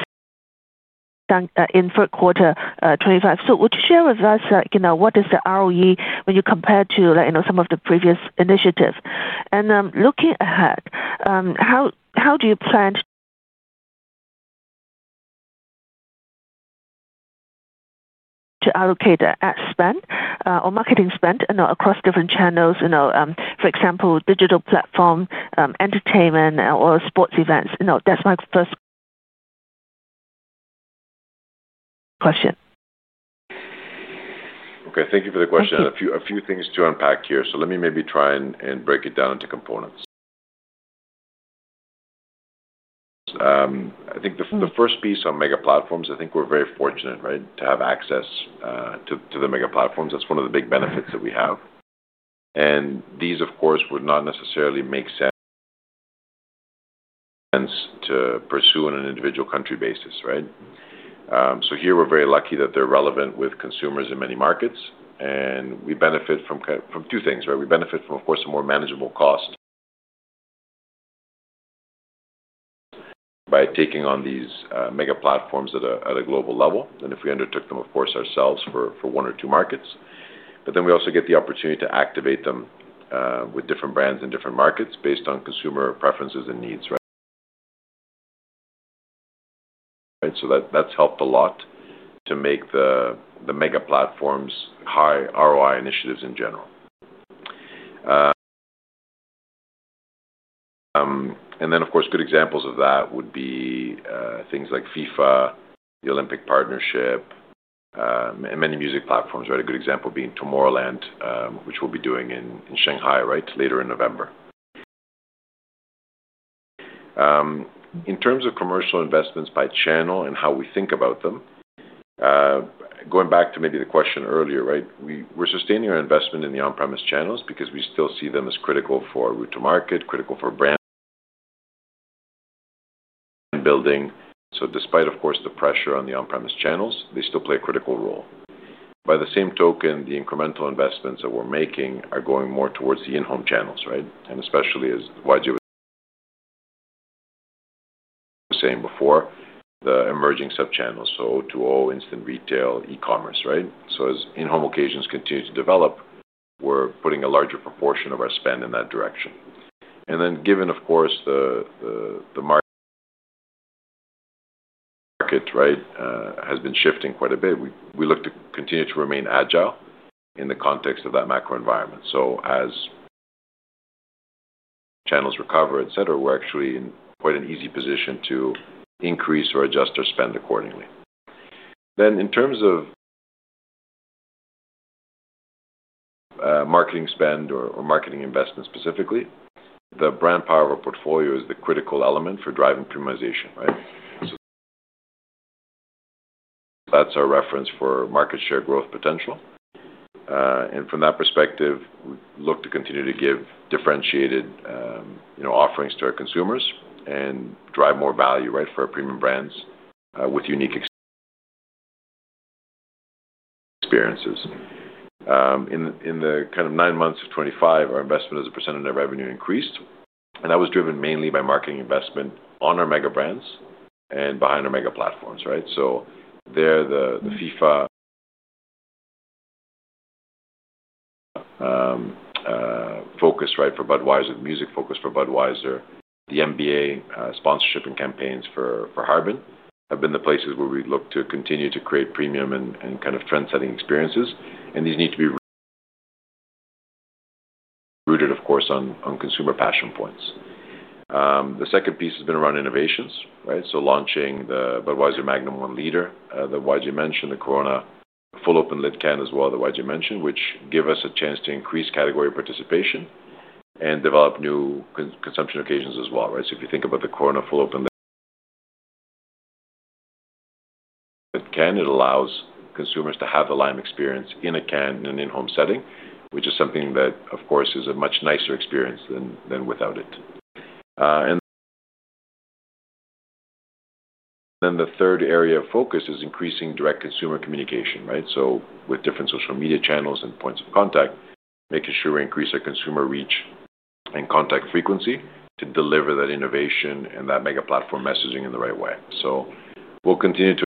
third quarter 2025. Would you share with us what is the ROE when you compare to some of the previous initiatives? Looking ahead, how do you plan to allocate ad spend or marketing spend across different channels, for example, digital platform, entertainment, or sports events? That's my first question. Okay, thank you for the question. A few things to unpack here. Let me maybe try and break it down into components. I think the first piece on mega platforms, I think we're very fortunate to have access to the mega platforms. That's one of the big benefits that we have. These of course would not necessarily make sense to pursue on an individual country basis. We're very lucky that they're relevant with consumers in many markets. We benefit from two things where we benefit from, of course, a more manageable cost by taking on these mega platforms at a global level than if we undertook them ourselves for one or two markets, but then we also get the opportunity to activate them with different brands in different markets based on consumer preferences and needs. That's helped a lot to make the mega platforms high ROI initiatives in general. Good examples of that would be things like FIFA, the Olympic Partnership, and many music platforms, a good example being Tomorrowland, which we'll be doing in Shanghai later in November. In terms of commercial investments by channel and how we think about them, going back to maybe the question earlier, we're sustaining our investment in the on-premise channels because we still see them as critical for route-to-market, critical for brand building. Despite the pressure on the on-premise channels, they still play a critical role. By the same token, the incremental investments that we're making are going more towards the in-home channels, especially as YJ was saying before, the emerging sub-channels, so O2O instant retail, e-commerce. As in-home occasions continue to develop, we're putting a larger proportion of our spend in that direction and then, given the market has been shifting quite a bit, we look to continue to remain agile in the context of that macro environment. As channels recover, etc., we're actually in quite an easy position to increase or adjust our spend accordingly. In terms of marketing spend or marketing investment specifically, the brand power of our portfolio is the critical element for driving premiumization. That's our reference for market share growth potential. From that perspective, we look to continue to give differentiated offerings to our consumers and drive more value for our premium brands with unique experiences. In the nine months of 2025, our investment as a percent of net revenue increased, and that was driven mainly by marketing investment on our mega brands and behind our mega platforms, right? There is the FIFA focus for Budweiser, the music focus for Budweiser, the NBA sponsorship and campaigns for Harbin have been the places where we look to continue to create premium and trend-setting experiences. These need to be rooted, of course, on consumer passion points. The second piece has been around innovations, right? Launches like the Budweiser Magnum 1 L, that YJ mentioned, the Corona full open lid can as well, which give us a chance to increase category participation and develop new consumption occasions as well, right? If you think about the Corona full open, it allows consumers to have the lime experience in a can and in-home setting, which is something that, of course, is a much nicer experience than without it. And. The third area of focus is increasing direct consumer communication, right? With different social media channels and points of contact, making sure we increase our consumer reach and contact frequency to deliver that innovation and that mega platform messaging in the right way, we'll continue to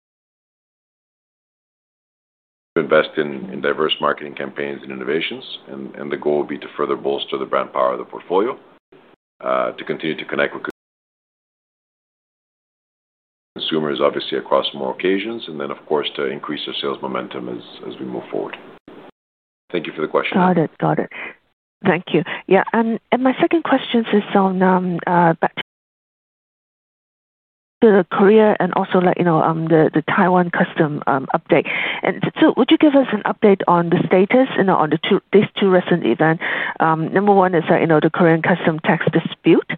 invest in diverse marketing campaigns and innovations. The goal will be to further bolster the brand power of the portfolio to continue to connect with consumers obviously across more occasions and then of course to increase their sales momentum as we move forward. Thank you for the question. Got it, got it. Thank you. My second question is on Korea and also the Taiwan customs update. Would you give us an update on the status on these two recent events? Number one is the Korean customs tax dispute,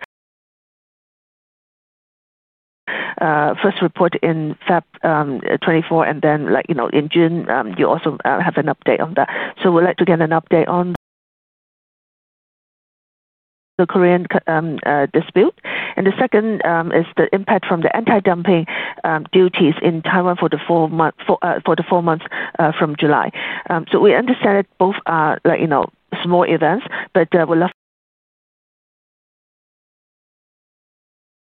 first reported in February 2024, and then in June you also have an update on that. We'd like to get an update on the Korean dispute. The second is the impact from the anti-dumping duties in Taiwan for the four months from July. We understand that both are small events, but we'd love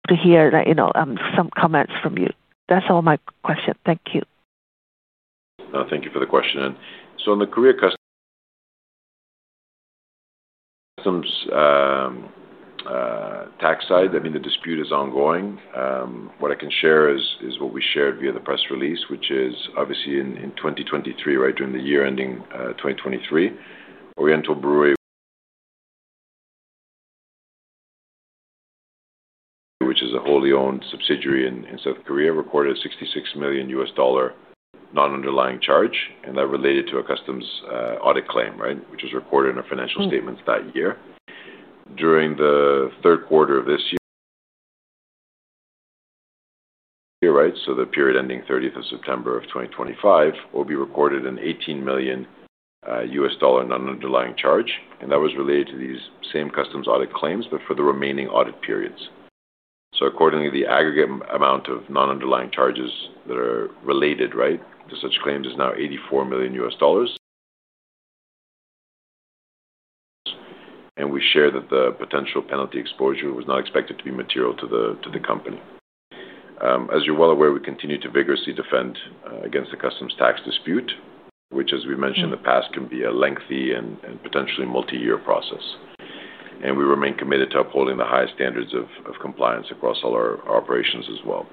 to hear some comments from you. That's all my questions. Thank you. Thank you for the question. On the Korea tax side, the dispute is ongoing. What I can share is what we shared via the press release, which is obviously in 2023. During the year ending 2023, Oriental Brewery, which is a wholly owned subsidiary in South Korea, recorded a $66 million non-underlying charge. That related to a customs audit claim, which was recorded in our financial statements that year, during the third quarter of this year. Here. Right. The period ending 30th of September, 2025, will be recorded as an $18 million non-underlying charge, and that was related to these same customs audit claims but for the remaining audit periods. Accordingly, the aggregate amount of non-underlying charges that are related to such claims is now $84 million. We share that the potential penalty exposure was not expected to be material to the company. As you're well aware, we continue to vigorously defend against the customs tax dispute, which, as we mentioned in the past, can be a lengthy and potentially multi-year process. We remain committed to upholding the highest standards of compliance across all our operations as well.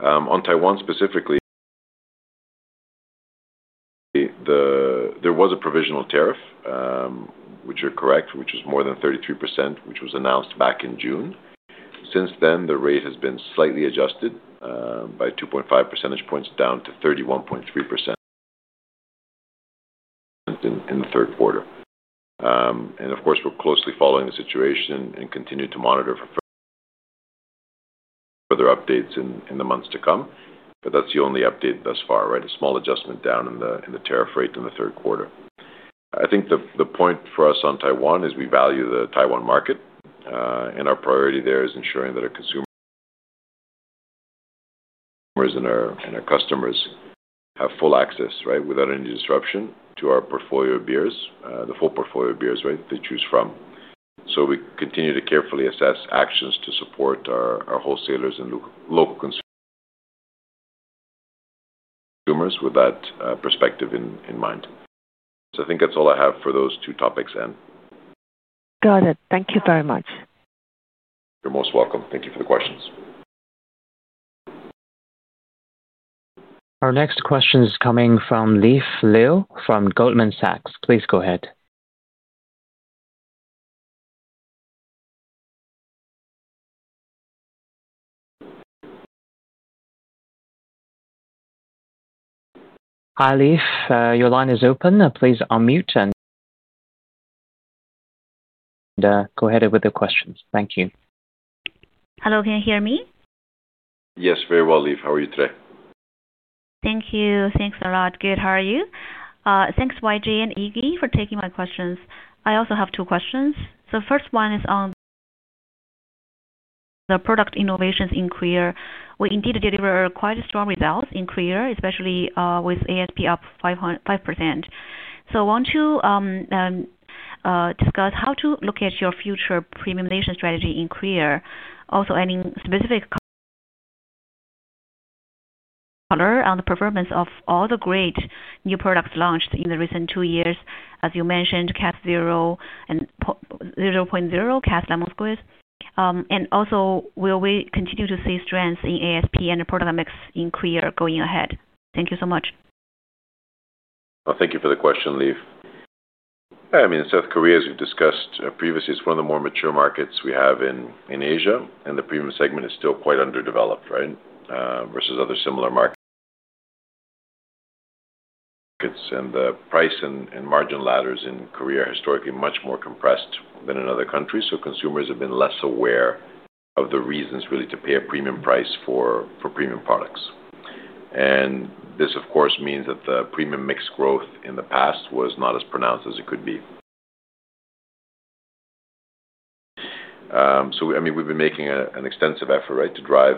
On Taiwan specifically, there was a provisional tariff, which is more than 33%, which was announced back in June. Since then, the rate has been slightly adjusted by 2.5 percentage points down to 31.3% in the third quarter. Of course, we're closely following the situation and continue to monitor for. Further. That's the only update thus far, right? A small adjustment down in the tariff rate in the third quarter. I think the point for us on Taiwan is we value the Taiwan market and our priority there is ensuring that our consumer and our customers have full access, right, without any disruption to our portfolio of beers, the full portfolio of beers, right, they choose from. We continue to carefully assess actions to support our wholesalers and local consumers with that perspective in mind. I think that's all I have for those two topics then. Got it. Thank you very much. You're most welcome. Thank you for the questions. Our next question is coming from Leaf Liu from Goldman Sachs. Please go ahead. Hi Leaf, your line is open. Please unmute and go ahead with the questions. Thank you. Hello, can you hear me? Yes, very well Leaf. How are you today? Thank you. Thanks a lot. Good. How are you? Thanks YJ and Iggy for taking my questions. I also have two questions. The first one is on the product innovations in Korea. We indeed deliver quite strong results in Korea, especially with ASP up 5%. I want to discuss how to look at your future premiumization strategy in Korea. Also, adding specific color on the performance of all the great new products launched in the recent two years. As you mentioned, Cass All Zero and Cass Lemon Squeeze 0.0. Also, will we continue to see strength in ASP and product mix in Korea going ahead? Thank you so much. Thank you for the question, Leaf. South Korea, as we've discussed previously, is one of the more mature markets we have in Asia. The premium segment is still quite underdeveloped versus other similar markets. The price and margin ladders in Korea are historically much more compressed than in other countries. Consumers have been less aware of the reasons to pay a premium price for premium products. This of course means that the premium mix growth in the past was not as pronounced as it could be. We've been making an extensive effort to drive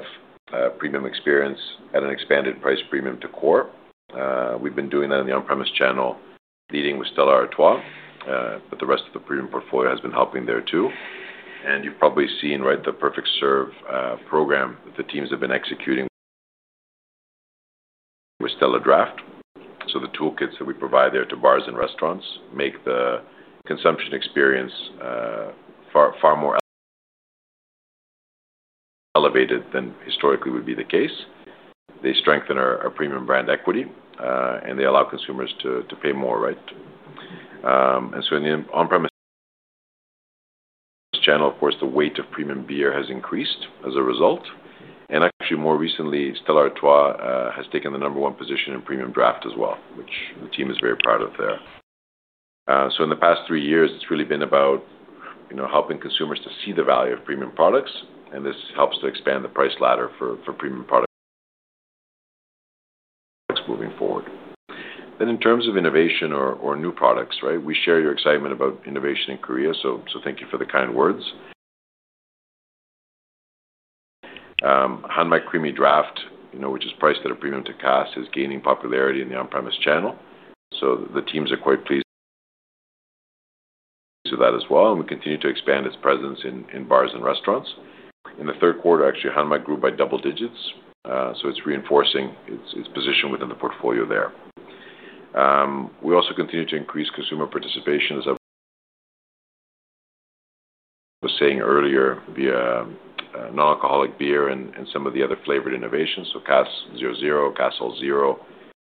premium experience at an expanded price, premium to core. We've been doing that in the on-premise channel leading with Stella Artois. The rest of the premium portfolio has been helping there too. You've probably seen the perfect serve program that the teams have been executing with Stella Draft. The toolkits that we provide there to bars and restaurants make the consumption experience far more elevated than historically would be the case. They strengthen our premium brand equity and they allow consumers to pay more. In the on-premise channel, the weight of premium beer has increased as a result. More recently, Stella Artois has taken the number one position in Premium Draft as well, which the team is very proud of there. In the past three years, it's really been about helping consumers to see the value of premium products and this helps to expand the price ladder for premium products moving forward. In terms of innovation or new products, we share your excitement about innovation in Korea, so thank you for the kind words. Hanmac Creamy Draft, which is priced at a premium to Cass, is gaining popularity in the on-premise channel, so the teams are quite pleased with that as well. We continue to expand its presence in bars and restaurants. In the third quarter, Hanmac grew by double digits, so it's reinforcing its position within the portfolio there. We also continue to increase consumer participation. As I was saying earlier, the non-alcoholic beer and some of the other flavored innovations, so Cass All Zero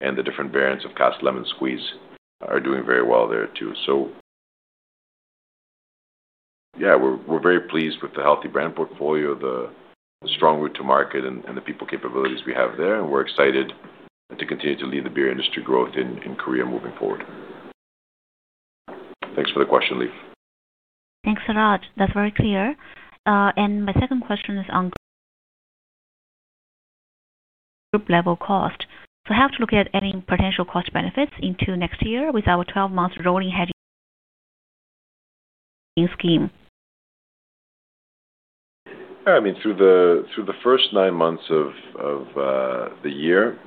and the different variants of Cass Lemon Squeeze are doing very well there too. We're very pleased with the healthy brand portfolio, the strong route-to-market and the people capabilities we have there. We're excited to continue to lead the beer industry growth in Korea moving forward. Thanks for the question, Leaf. Thanks a lot. That's very clear. My second question is on group level cost. How to look at any potential cost benefits into next year with our 12-month rolling hedging scheme? I mean through the first nine months of the year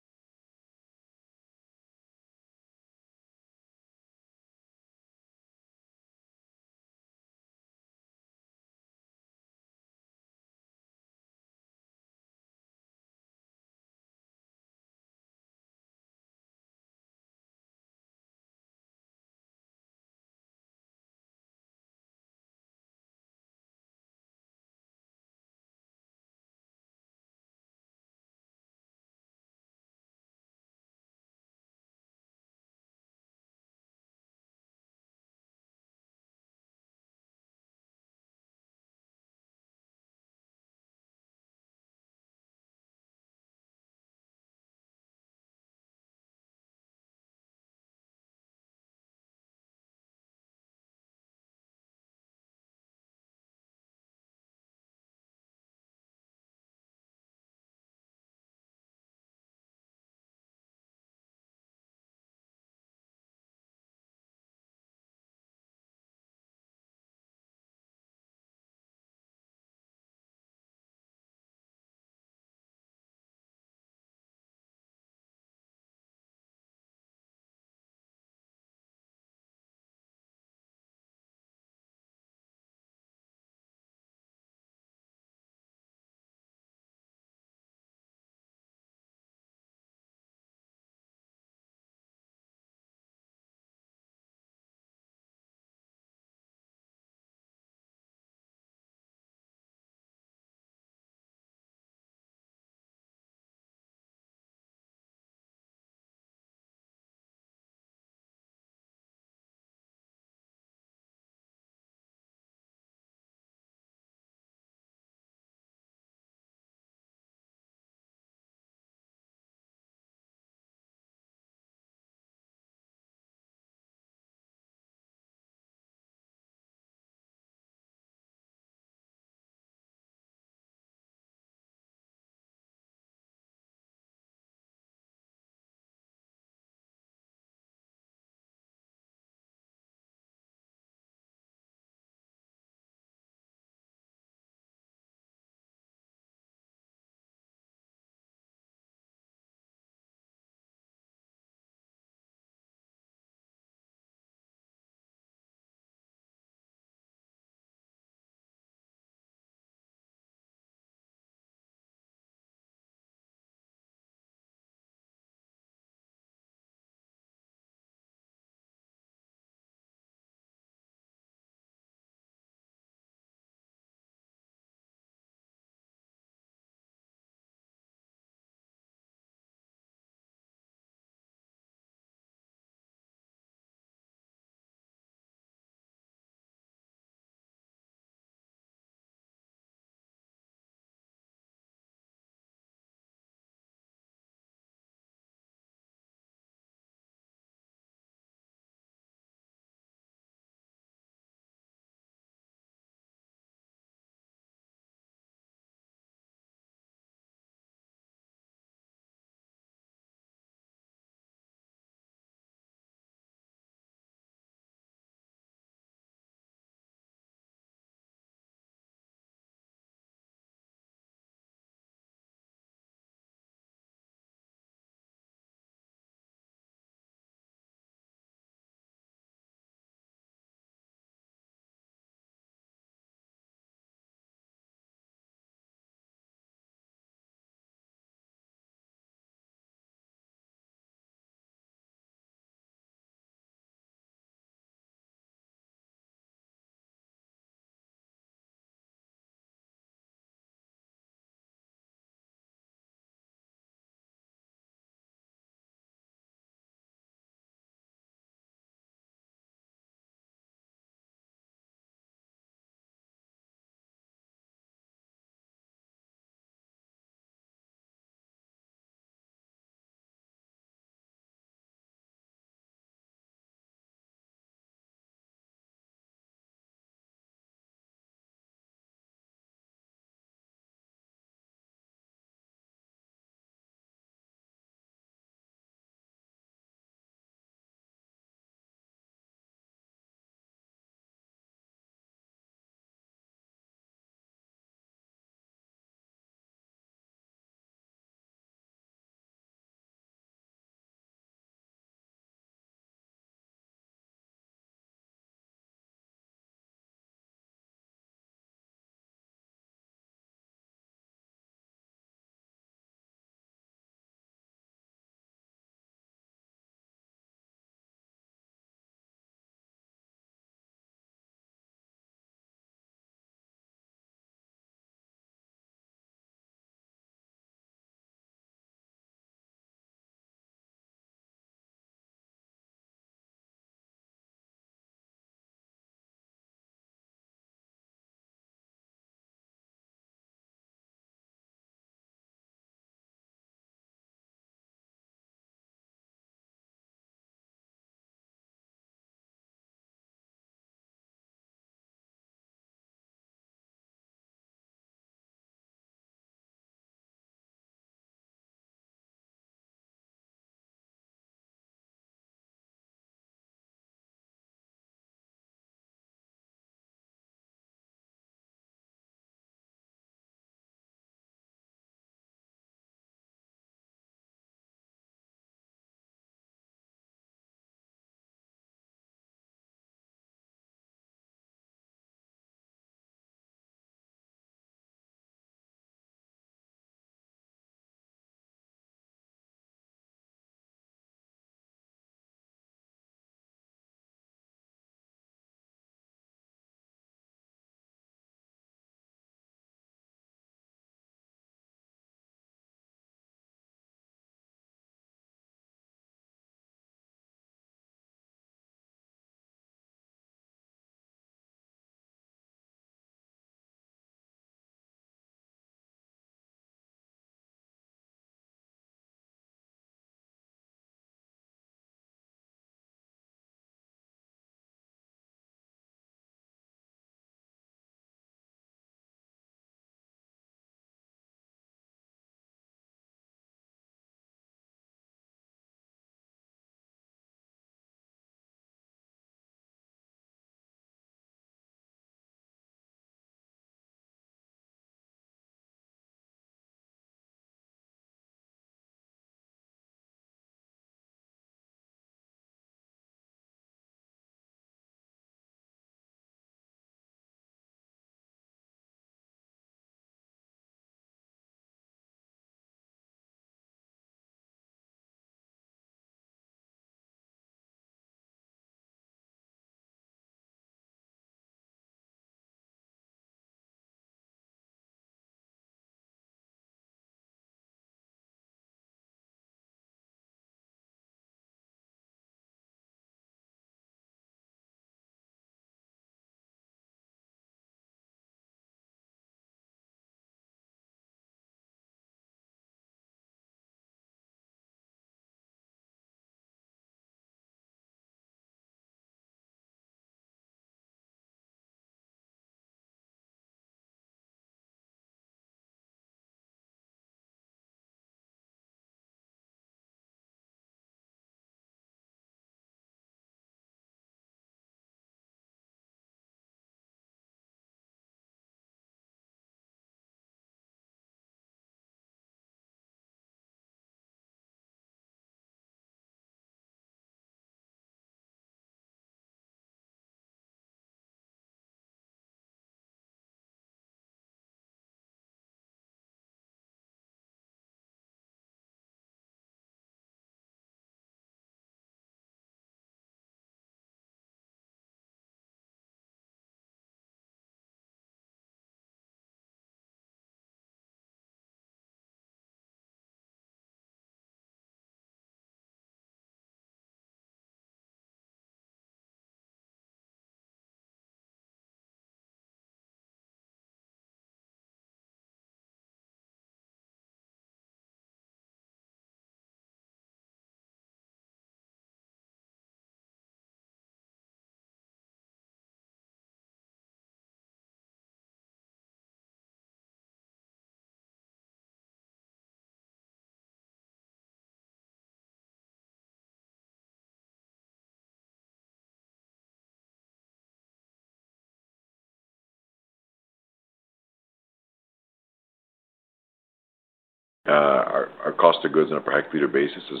our cost of goods on a per hectoliter basis has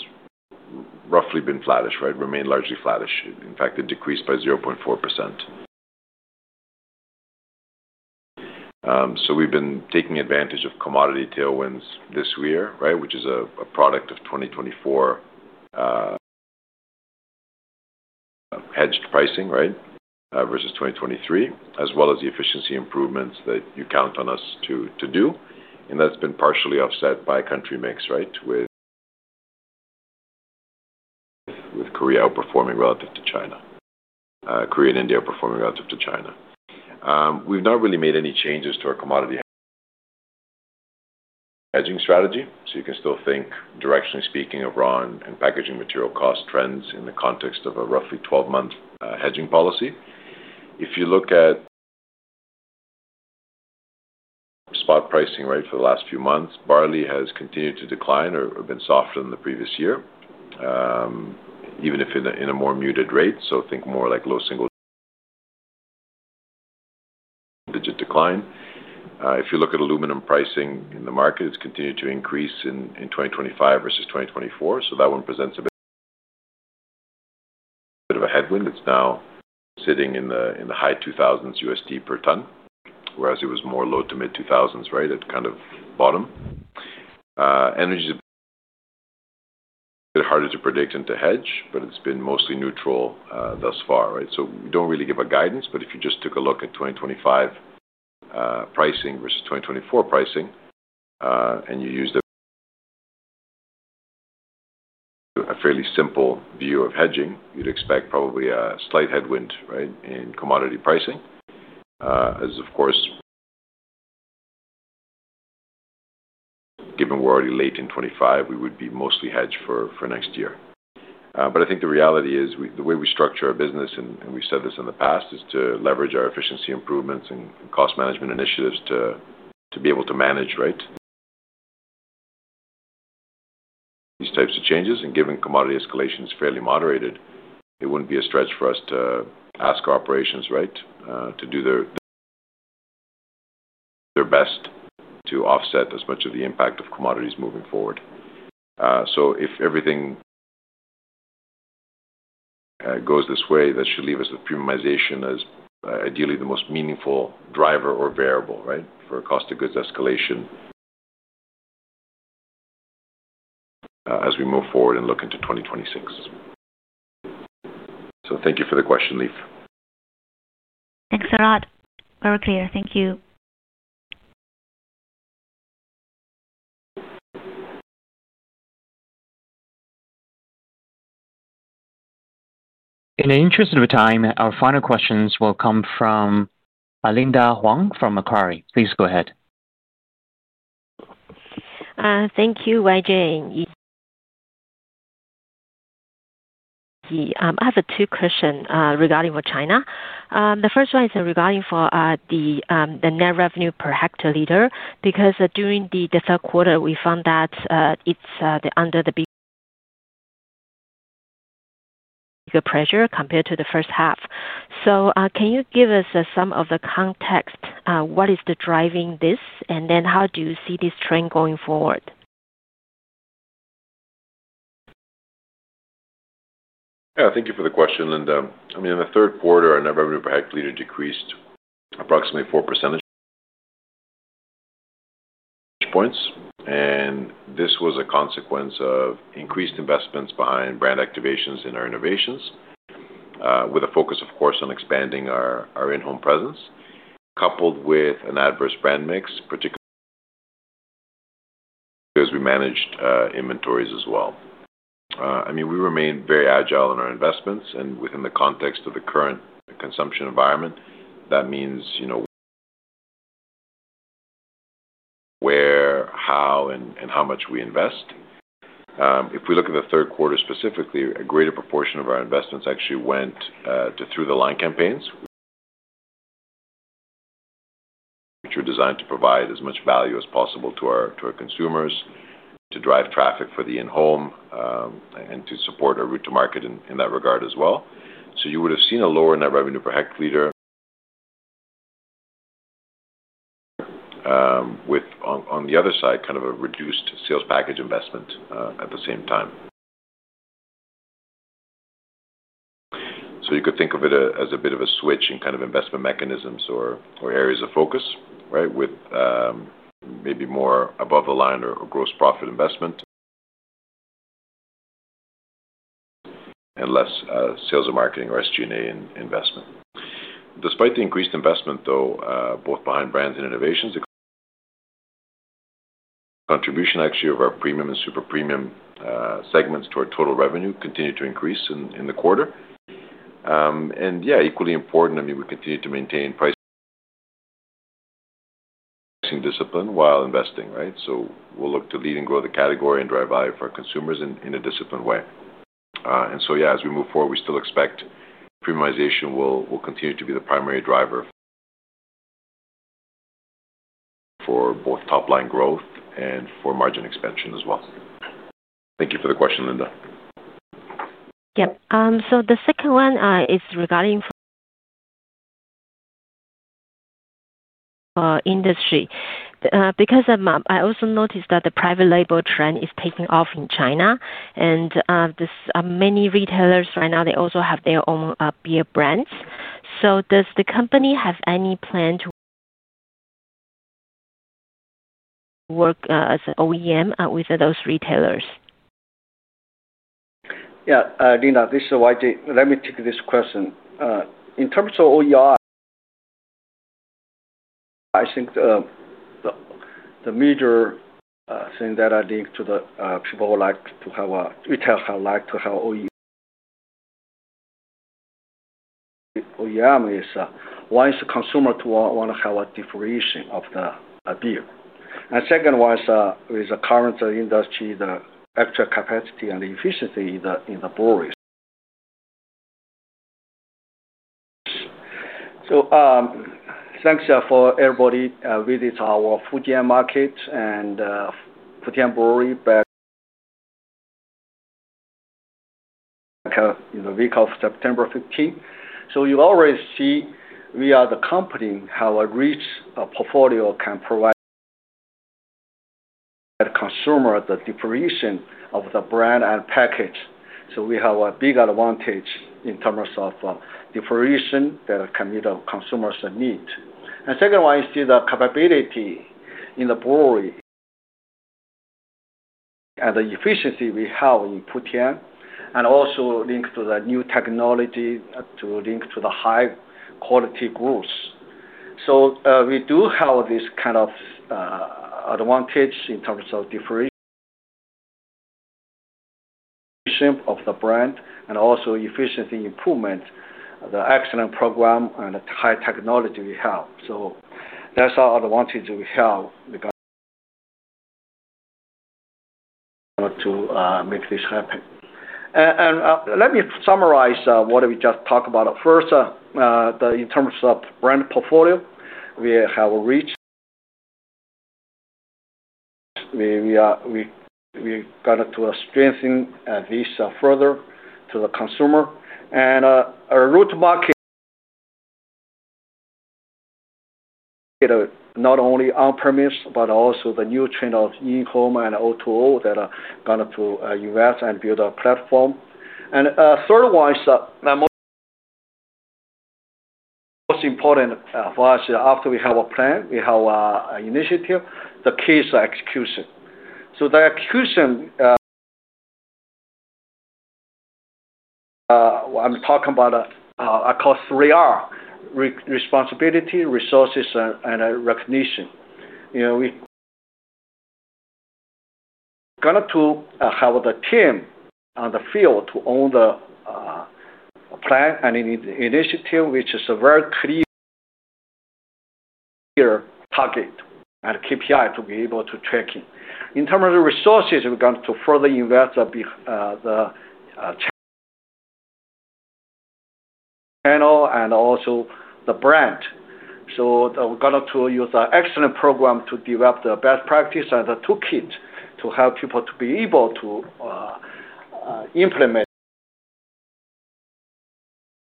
roughly been flattish, right? Remained largely flattish. In fact, it decreased by 0.4%. We've been taking advantage of commodity tailwinds this year, which is a product of 2024 hedged pricing versus 2023, as well as the efficiency improvements that you count on us to do. That's been partially offset by country mix, with Korea and India outperforming relative to China. We've not really made any changes to our commodity hedging strategy. You can still think directionally speaking of raw and packaging material cost trends in the context of a roughly 12-month hedging policy. If you look at spot pricing for the last few months, barley has continued to decline or been softer than the previous year, even if at a more muted rate. Think more like low single-digit decline. If you look at aluminum pricing in the market, it's continued to increase in 2025 versus 2024. That one presents a bit of a headwind. It's now sitting in the high $2,000s USD per ton, whereas it was more low to mid $2,000s. At kind of bottom, energy's a bit harder to predict and to hedge, but it's been mostly neutral thus far. We don't really give a guidance. If you just took a look at 2025 pricing versus 2024 pricing and you used a fairly simple view of hedging, you'd expect probably a slight headwind in commodity pricing as of course given we're already late in 2025, we would be mostly hedged for next year. I think the reality is the way we structure our business, and we've said this in the past, is to leverage our efficiency improvements and cost management initiatives to be able to manage these types of changes. Given commodity escalations are fairly moderated, it wouldn't be a stretch for us to ask operations to do their best to offset as much of the impact of commodities moving forward. If everything goes this way, that should leave us with premiumization as ideally the most meaningful driver or variable for cost of goods escalation as we move forward and look into 2026. Thank you for the question, Leaf, thanks a lot. Very clear. Thank you. In the interest of time, our final questions will come from Linda Huang from Macquarie. Please go ahead. Thank you. YJ, I have two questions regarding China. The first one is regarding the net revenue per hectoliter because during the third quarter we found that it's under pressure compared to the first half. Can you give us some context on what is driving this and how do you see this trend going forward? Thank you for the question. In the third quarter, our net revenue per activity decreased approximately 4%, and this was a consequence of increased investments behind brand activations and our innovations, with a focus, of course, on expanding our in-home presence, coupled with an adverse brand mix, particularly because we managed inventories as well. We remain very agile in our investments, and within the context of the current consumption environment, that means you know where, how, and how much we invest. If we look at the third quarter specifically, a greater proportion of our investments actually went through the line campaigns. Which. Were designed to provide as much value as possible to our consumers, to drive traffic for the in-home and to support a route-to-market in that regard as well. You would have seen a lower net revenue per hectoliter with, on the other side, kind of a reduced sales package investment at the same time. You could think of it as a bit of a switch in kind of investment mechanisms or areas of focus, right, with maybe more above-the-line or gross profit investment and less sales and marketing or SG&A investment. Despite the increased investment, though, both behind brands and innovations, contribution actually of our premium and super premium segments to our total revenue continued to increase in the quarter. Equally important, I mean, we continue to maintain pricing discipline while investing, right. We will look to lead and grow the category and drive value for our consumers in a disciplined way. As we move forward, we still expect premiumization will continue to be the primary driver for both top line growth and for margin expansion as well. Thank you for the question, Linda. The second one is regarding industry because I also noticed that the private label trend is taking off in China, and many retailers right now also have their own beer brands. Does the company have any plan to work as an OEM with those retailers? Yeah. Linda, this is YJ. Let me take this question. In terms of OER, I think the major thing that I link to the people like to have a retail, like to have OEM, is once a consumer wants to have a different of the beer, and second one is with the current industry, the extra capacity and efficiency in the breweries. Thank you for everybody visiting our Fujian market and brewery back in the week of September 15th. You already see we are the company, how a rich portfolio can provide consumer the deflation of the brand and package. We have a big advantage in terms of different consumers' needs. The second one is the capability in the brewery and the efficiency we have in Fujian, and also link to the new technology to link to the high quality gross. We do have this kind of advantage in terms of different. Of the. Brand and also efficiency improvement, the excellent program and high technology knowledge we have. That's all advantage we have to make this happen. Let me summarize what we just talked about. First, in terms of brand portfolio, we have reached, we got to strengthen this further to the consumer and our route market, not only on premise but also the new trend of E-com and O2O that are going to invest and build a platform. Third one is most important for us. After we have a plan, we have an initiative, the case execution. The execution I'm talking about is three R: responsibility, resources, and recognition. We are going to have the team on the field to own the plan and initiative, which is a very clear target and KPI to be able to track it. In terms of resources, we're going to further invest, channel, and also the brand. We're going to use an excellent program to develop the best practice and the toolkit to help people to be able to implement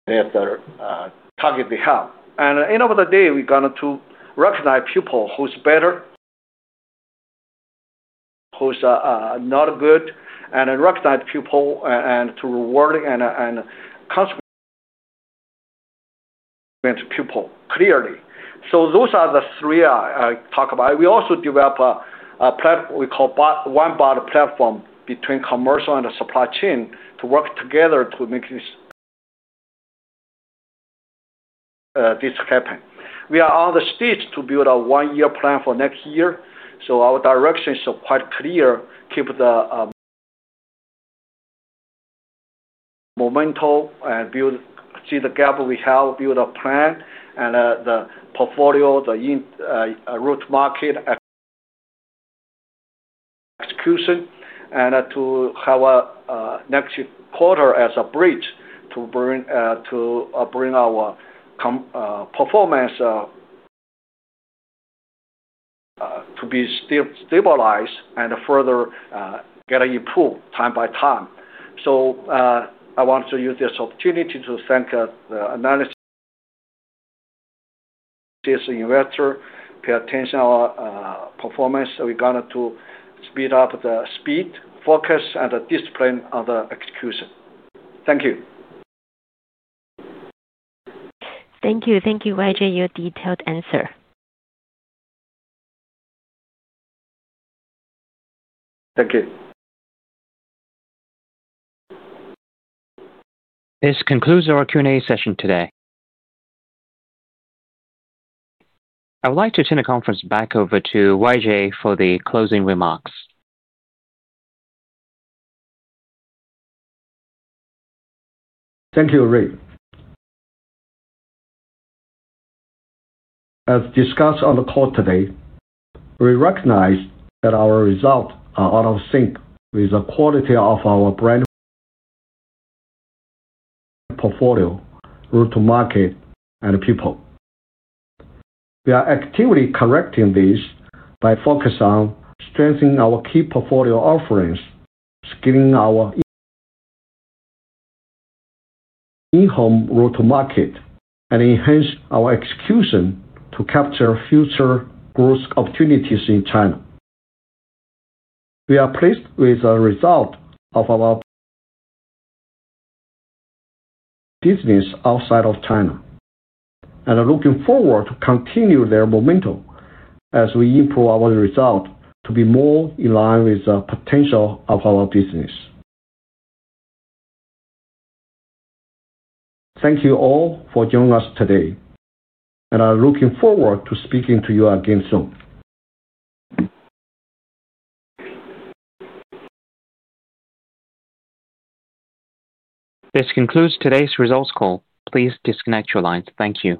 their target they have. At the end of the day, we're going to recognize people who's better, who's not good, and recognize people and to reward and consequent people clearly. Those are the three I talk about. We also develop a platform we call one bot platform between commercial and supply chain to work together to make this happen. We are on the stage to build a one year plan for next year. Our direction is quite clear. Keep the momentum and see the gap we have, build a plan and the portfolio, the route market execution, and to have next quarter as a bridge to bring our performance to be stabilized and further get improved time by time. I want to use this opportunity to thank the analysis investor, pay attention our performance. We're going to speed up the speed, focus, and discipline on the execution. Thank you. Thank you. Thank you, YJ, your detailed answer. Thank you. This concludes our Q&A session today. I would like to turn the conference back over to YJ for the closing remarks. Thank you, Rick. As discussed on the call today, we recognize that our results are out of sync with the quality of our brand portfolio, route-to-market, and people. We are actively correcting this by focusing on strengthening our key portfolio offerings, scaling. Our. In-home route-to-market and enhance our execution to capture future growth opportunities in China. We are pleased with the result of. Our. Business outside of China and looking forward to continue their momentum as we improve our result to be more in line with the potential of our business. Thank you all for joining us today, and I look forward to speaking to you again soon. This concludes today's results call. Please disconnect your lines. Thank you.